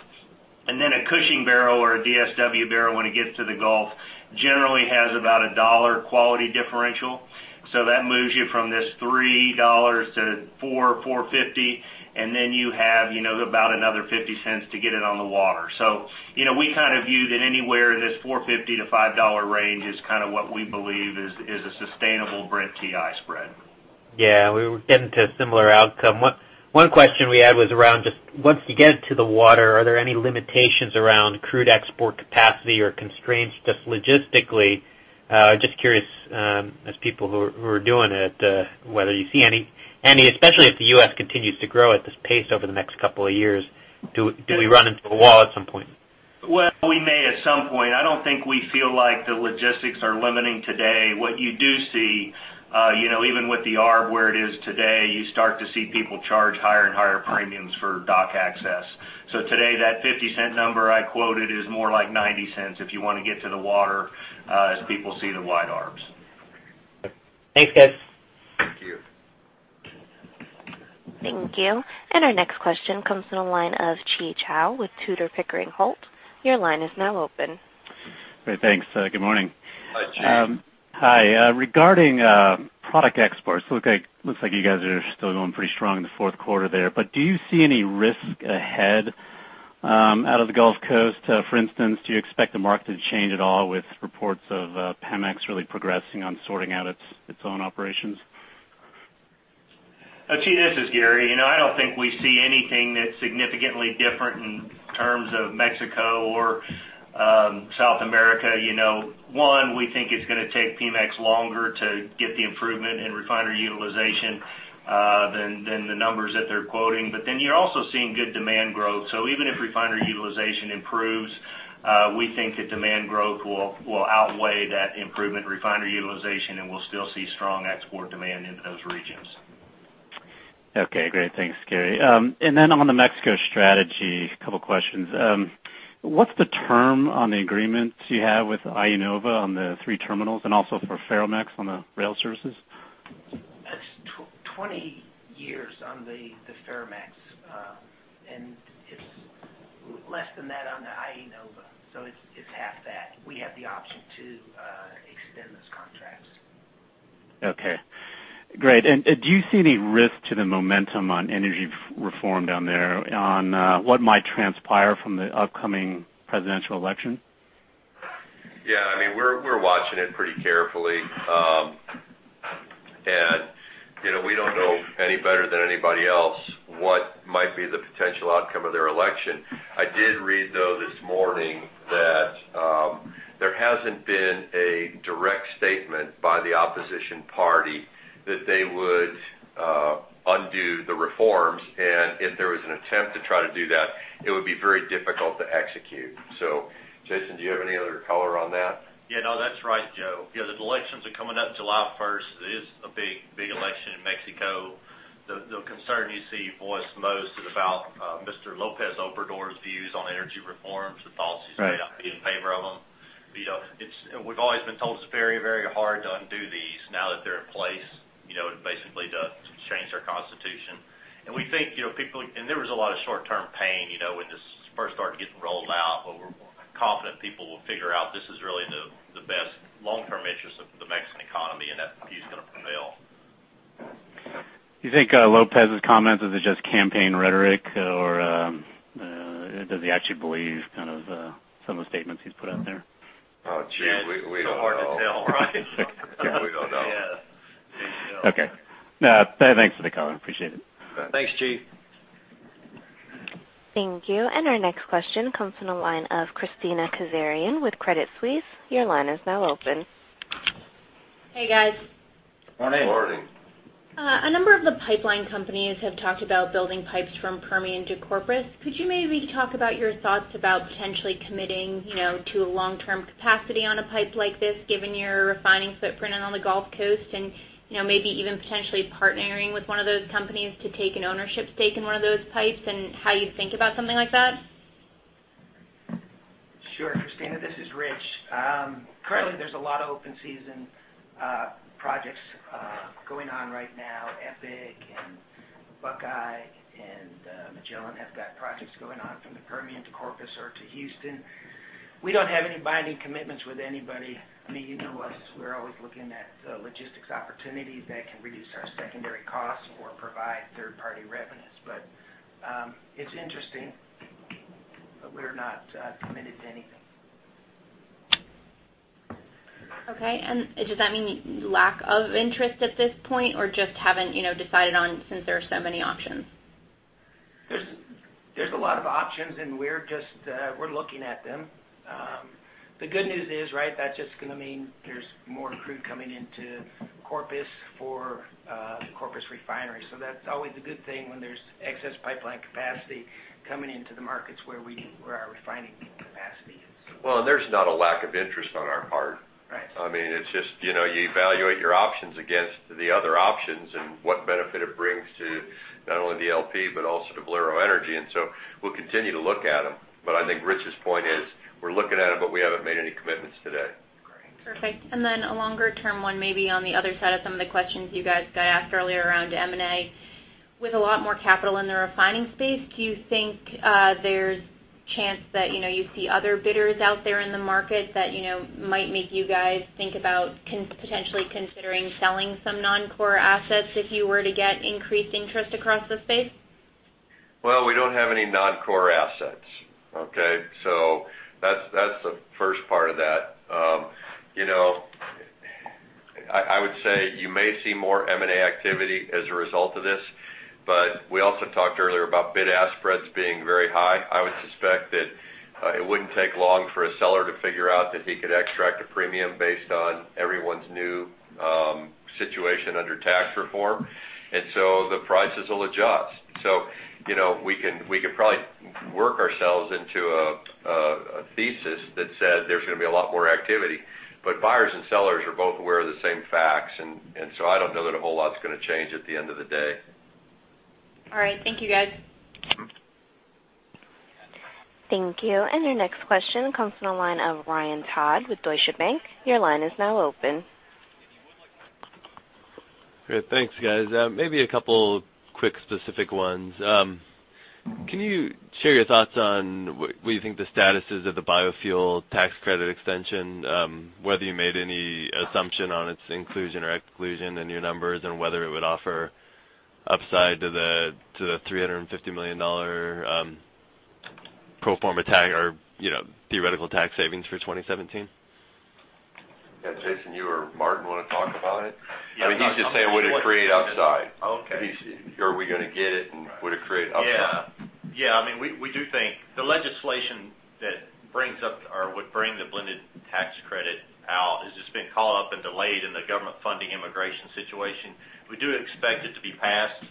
A Cushing barrel or a DSW barrel, when it gets to the Gulf, generally has about a $1 quality differential. That moves you from this $3 to $4, $4.50, and then you have about another $0.50 to get it on the water. We kind of view that anywhere in this $4.50 to $5 range is kind of what we believe is a sustainable Brent TI spread. We were getting to a similar outcome. One question we had was around just once you get to the water, are there any limitations around crude export capacity or constraints just logistically? Just curious, as people who are doing it, whether you see any. Especially if the U.S. continues to grow at this pace over the next couple of years, do we run into a wall at some point? Well, we may at some point. I don't think we feel like the logistics are limiting today. What you do see, even with the ARB where it is today, you start to see people charge higher and higher premiums for dock access. Today, that $0.50 number I quoted is more like $0.90 if you want to get to the water as people see the wide ARBs. Okay. Thanks, guys. Thank you. Thank you. Our next question comes from the line of Chi Chow with Tudor, Pickering, Holt. Your line is now open. Great, thanks. Good morning. Hi, Chi. Hi. Regarding product exports, looks like you guys are still going pretty strong in the fourth quarter there. Do you see any risk ahead out of the Gulf Coast? For instance, do you expect the market to change at all with reports of Pemex really progressing on sorting out its own operations? Chi, this is Gary. I don't think we see anything that's significantly different in terms of Mexico or South America. One, we think it's going to take Pemex longer to get the improvement in refinery utilization Than the numbers that they're quoting. You're also seeing good demand growth. Even if refinery utilization improves, we think that demand growth will outweigh that improvement in refinery utilization, and we'll still see strong export demand into those regions. Okay, great. Thanks, Gary. Then on the Mexico strategy, couple questions. What's the term on the agreements you have with IEnova on the three terminals and also for Ferromex on the rail services? It's 20 years on the Ferromex, it's less than that on the IEnova. It's half that. We have the option to extend those contracts. Okay, great. Do you see any risk to the momentum on energy reform down there on what might transpire from the upcoming presidential election? Yeah, we're watching it pretty carefully. We don't know any better than anybody else what might be the potential outcome of their election. I did read, though, this morning that there hasn't been a direct statement by the opposition party that they would undo the reforms, and if there was an attempt to try to do that, it would be very difficult to execute. Jason, do you have any other color on that? No, that's right, Joe. The elections are coming up July 1st. It is a big election in Mexico. The concern you see voiced most is about Mr. López Obrador's views on energy reforms. Right he's made out, being in favor of them. We've always been told it's very hard to undo these now that they're in place. Basically, to change their constitution. There was a lot of short-term pain when this first started getting rolled out, but we're confident people will figure out this is really in the best long-term interest of the Mexican economy, and that view's going to prevail. Do you think López's comments, is it just campaign rhetoric, or does he actually believe some of the statements he's put out there? Oh, geez. We don't know. It's so hard to tell, right? We don't know. Yeah. Okay. No, thanks for the call. I appreciate it. Okay. Thanks, Chi. Thank you. Our next question comes from the line of Kristina Kazarian with Credit Suisse. Your line is now open. Hey, guys. Morning. Morning. A number of the pipeline companies have talked about building pipes from Permian to Corpus. Could you maybe talk about your thoughts about potentially committing to a long-term capacity on a pipe like this, given your refining footprint on the Gulf Coast and maybe even potentially partnering with one of those companies to take an ownership stake in one of those pipes, and how you think about something like that? Sure, Kristina, this is Rich. Currently, there's a lot of open season projects going on right now. EPIC and Buckeye and Magellan have got projects going on from the Permian to Corpus or to Houston. We don't have any binding commitments with anybody. You know us, we're always looking at logistics opportunities that can reduce our secondary costs or provide third-party revenues. It's interesting. We're not committed to anything. Okay. Does that mean lack of interest at this point or just haven't decided on since there are so many options? There's a lot of options, and we're looking at them. The good news is, right, that's just going to mean there's more crude coming into Corpus for Corpus refinery. That's always a good thing when there's excess pipeline capacity coming into the markets where our refining capacity is. Well, there's not a lack of interest on our part. Right. It's just, you evaluate your options against the other options and what benefit it brings to not only the LP, but also to Valero Energy. We'll continue to look at them. I think Rich's point is we're looking at them, but we haven't made any commitments today. Correct. Perfect. A longer-term one, maybe on the other side of some of the questions you guys got asked earlier around M&A. With a lot more capital in the refining space, do you think there's chance that you see other bidders out there in the market that might make you guys think about potentially considering selling some non-core assets if you were to get increased interest across the space? We don't have any non-core assets. Okay? That's the first part of that. I would say you may see more M&A activity as a result of this, but we also talked earlier about bid-ask spreads being very high. I would suspect that it wouldn't take long for a seller to figure out that he could extract a premium based on everyone's new situation under tax reform. The prices will adjust. We could probably work ourselves into a thesis that said there's going to be a lot more activity, but buyers and sellers are both aware of the same facts, and so I don't know that a whole lot's going to change at the end of the day. Thank you, guys. Thank you. Your next question comes from the line of Ryan Todd with Deutsche Bank. Your line is now open. If you would like to- Great. Thanks, guys. Maybe a couple quick specific ones. Can you share your thoughts on what you think the status is of the Biofuel Tax Credit extension, whether you made any assumption on its inclusion or exclusion in your numbers, and whether it would offer upside to the $350 million pro forma theoretical tax savings for 2017? Yeah, Jason, you or Martin want to talk about it? He's just saying would it create upside? Okay. Are we going to get it, would it create upside? Yeah. We do think the legislation that would bring. It's been caught up and delayed in the government funding immigration situation. We do expect it to be passed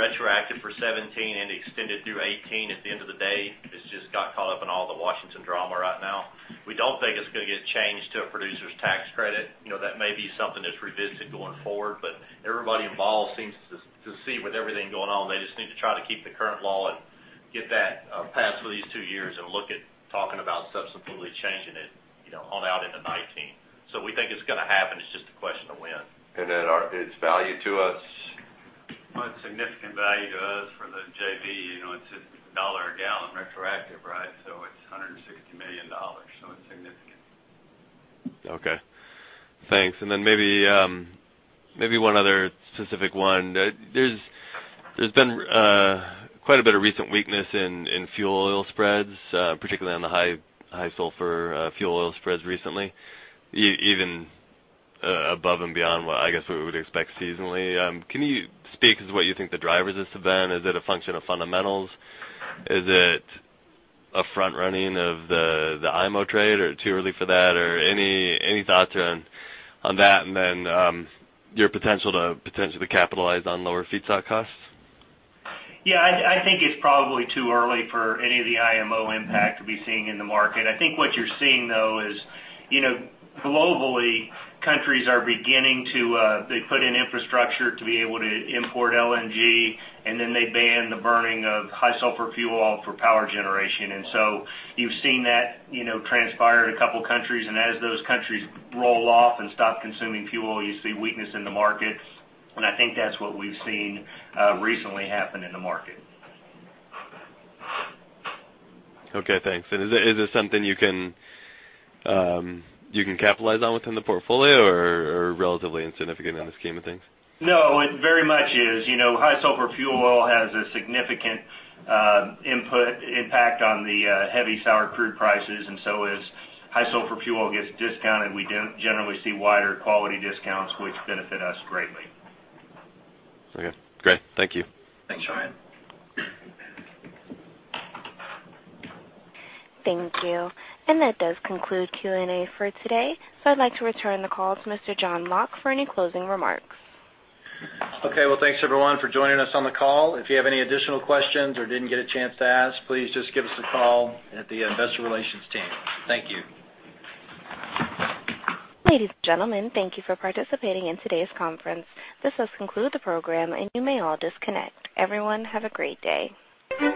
retroactive for 2017 and extended through 2018 at the end of the day. It's just got caught up in all the Washington drama right now. We don't think it's going to get changed to a producer's tax credit. That may be something that's revisited going forward, but everybody involved seems to see with everything going on, they just need to try to keep the current law and get that passed for these two years and look at talking about subsequently changing it on out into 2019. We think it's going to happen. It's just a question of when. Its value to us? Well, it's significant value to us for the JV. It's $1 a gallon retroactive, right? It's $160 million. It's significant. Okay. Thanks. Maybe one other specific one. There's been quite a bit of recent weakness in fuel oil spreads, particularly on the high sulfur fuel oil spreads recently, even above and beyond what I guess we would expect seasonally. Can you speak as to what you think the drivers of this have been? Is it a function of fundamentals? Is it a front-running of the IMO trade, or too early for that, or any thoughts on that? Your potential to potentially capitalize on lower feedstock costs? Yeah, I think it's probably too early for any of the IMO impact to be seen in the market. I think what you're seeing, though, is globally, countries are beginning to put in infrastructure to be able to import LNG, then they ban the burning of high sulfur fuel oil for power generation. You've seen that transpire in a couple countries, and as those countries roll off and stop consuming fuel oil, you see weakness in the markets. I think that's what we've seen recently happen in the market. Okay, thanks. Is this something you can capitalize on within the portfolio or relatively insignificant in the scheme of things? No, it very much is. High sulfur fuel oil has a significant impact on the heavy sour crude prices. As high sulfur fuel gets discounted, we generally see wider quality discounts, which benefit us greatly. Okay, great. Thank you. Thanks, Ryan. Thank you. That does conclude Q&A for today. I'd like to return the call to Mr. John Locke for any closing remarks. Okay. Well, thanks everyone for joining us on the call. If you have any additional questions or didn't get a chance to ask, please just give us a call at the investor relations team. Thank you. Ladies and gentlemen, thank you for participating in today's conference. This does conclude the program, and you may all disconnect. Everyone, have a great day.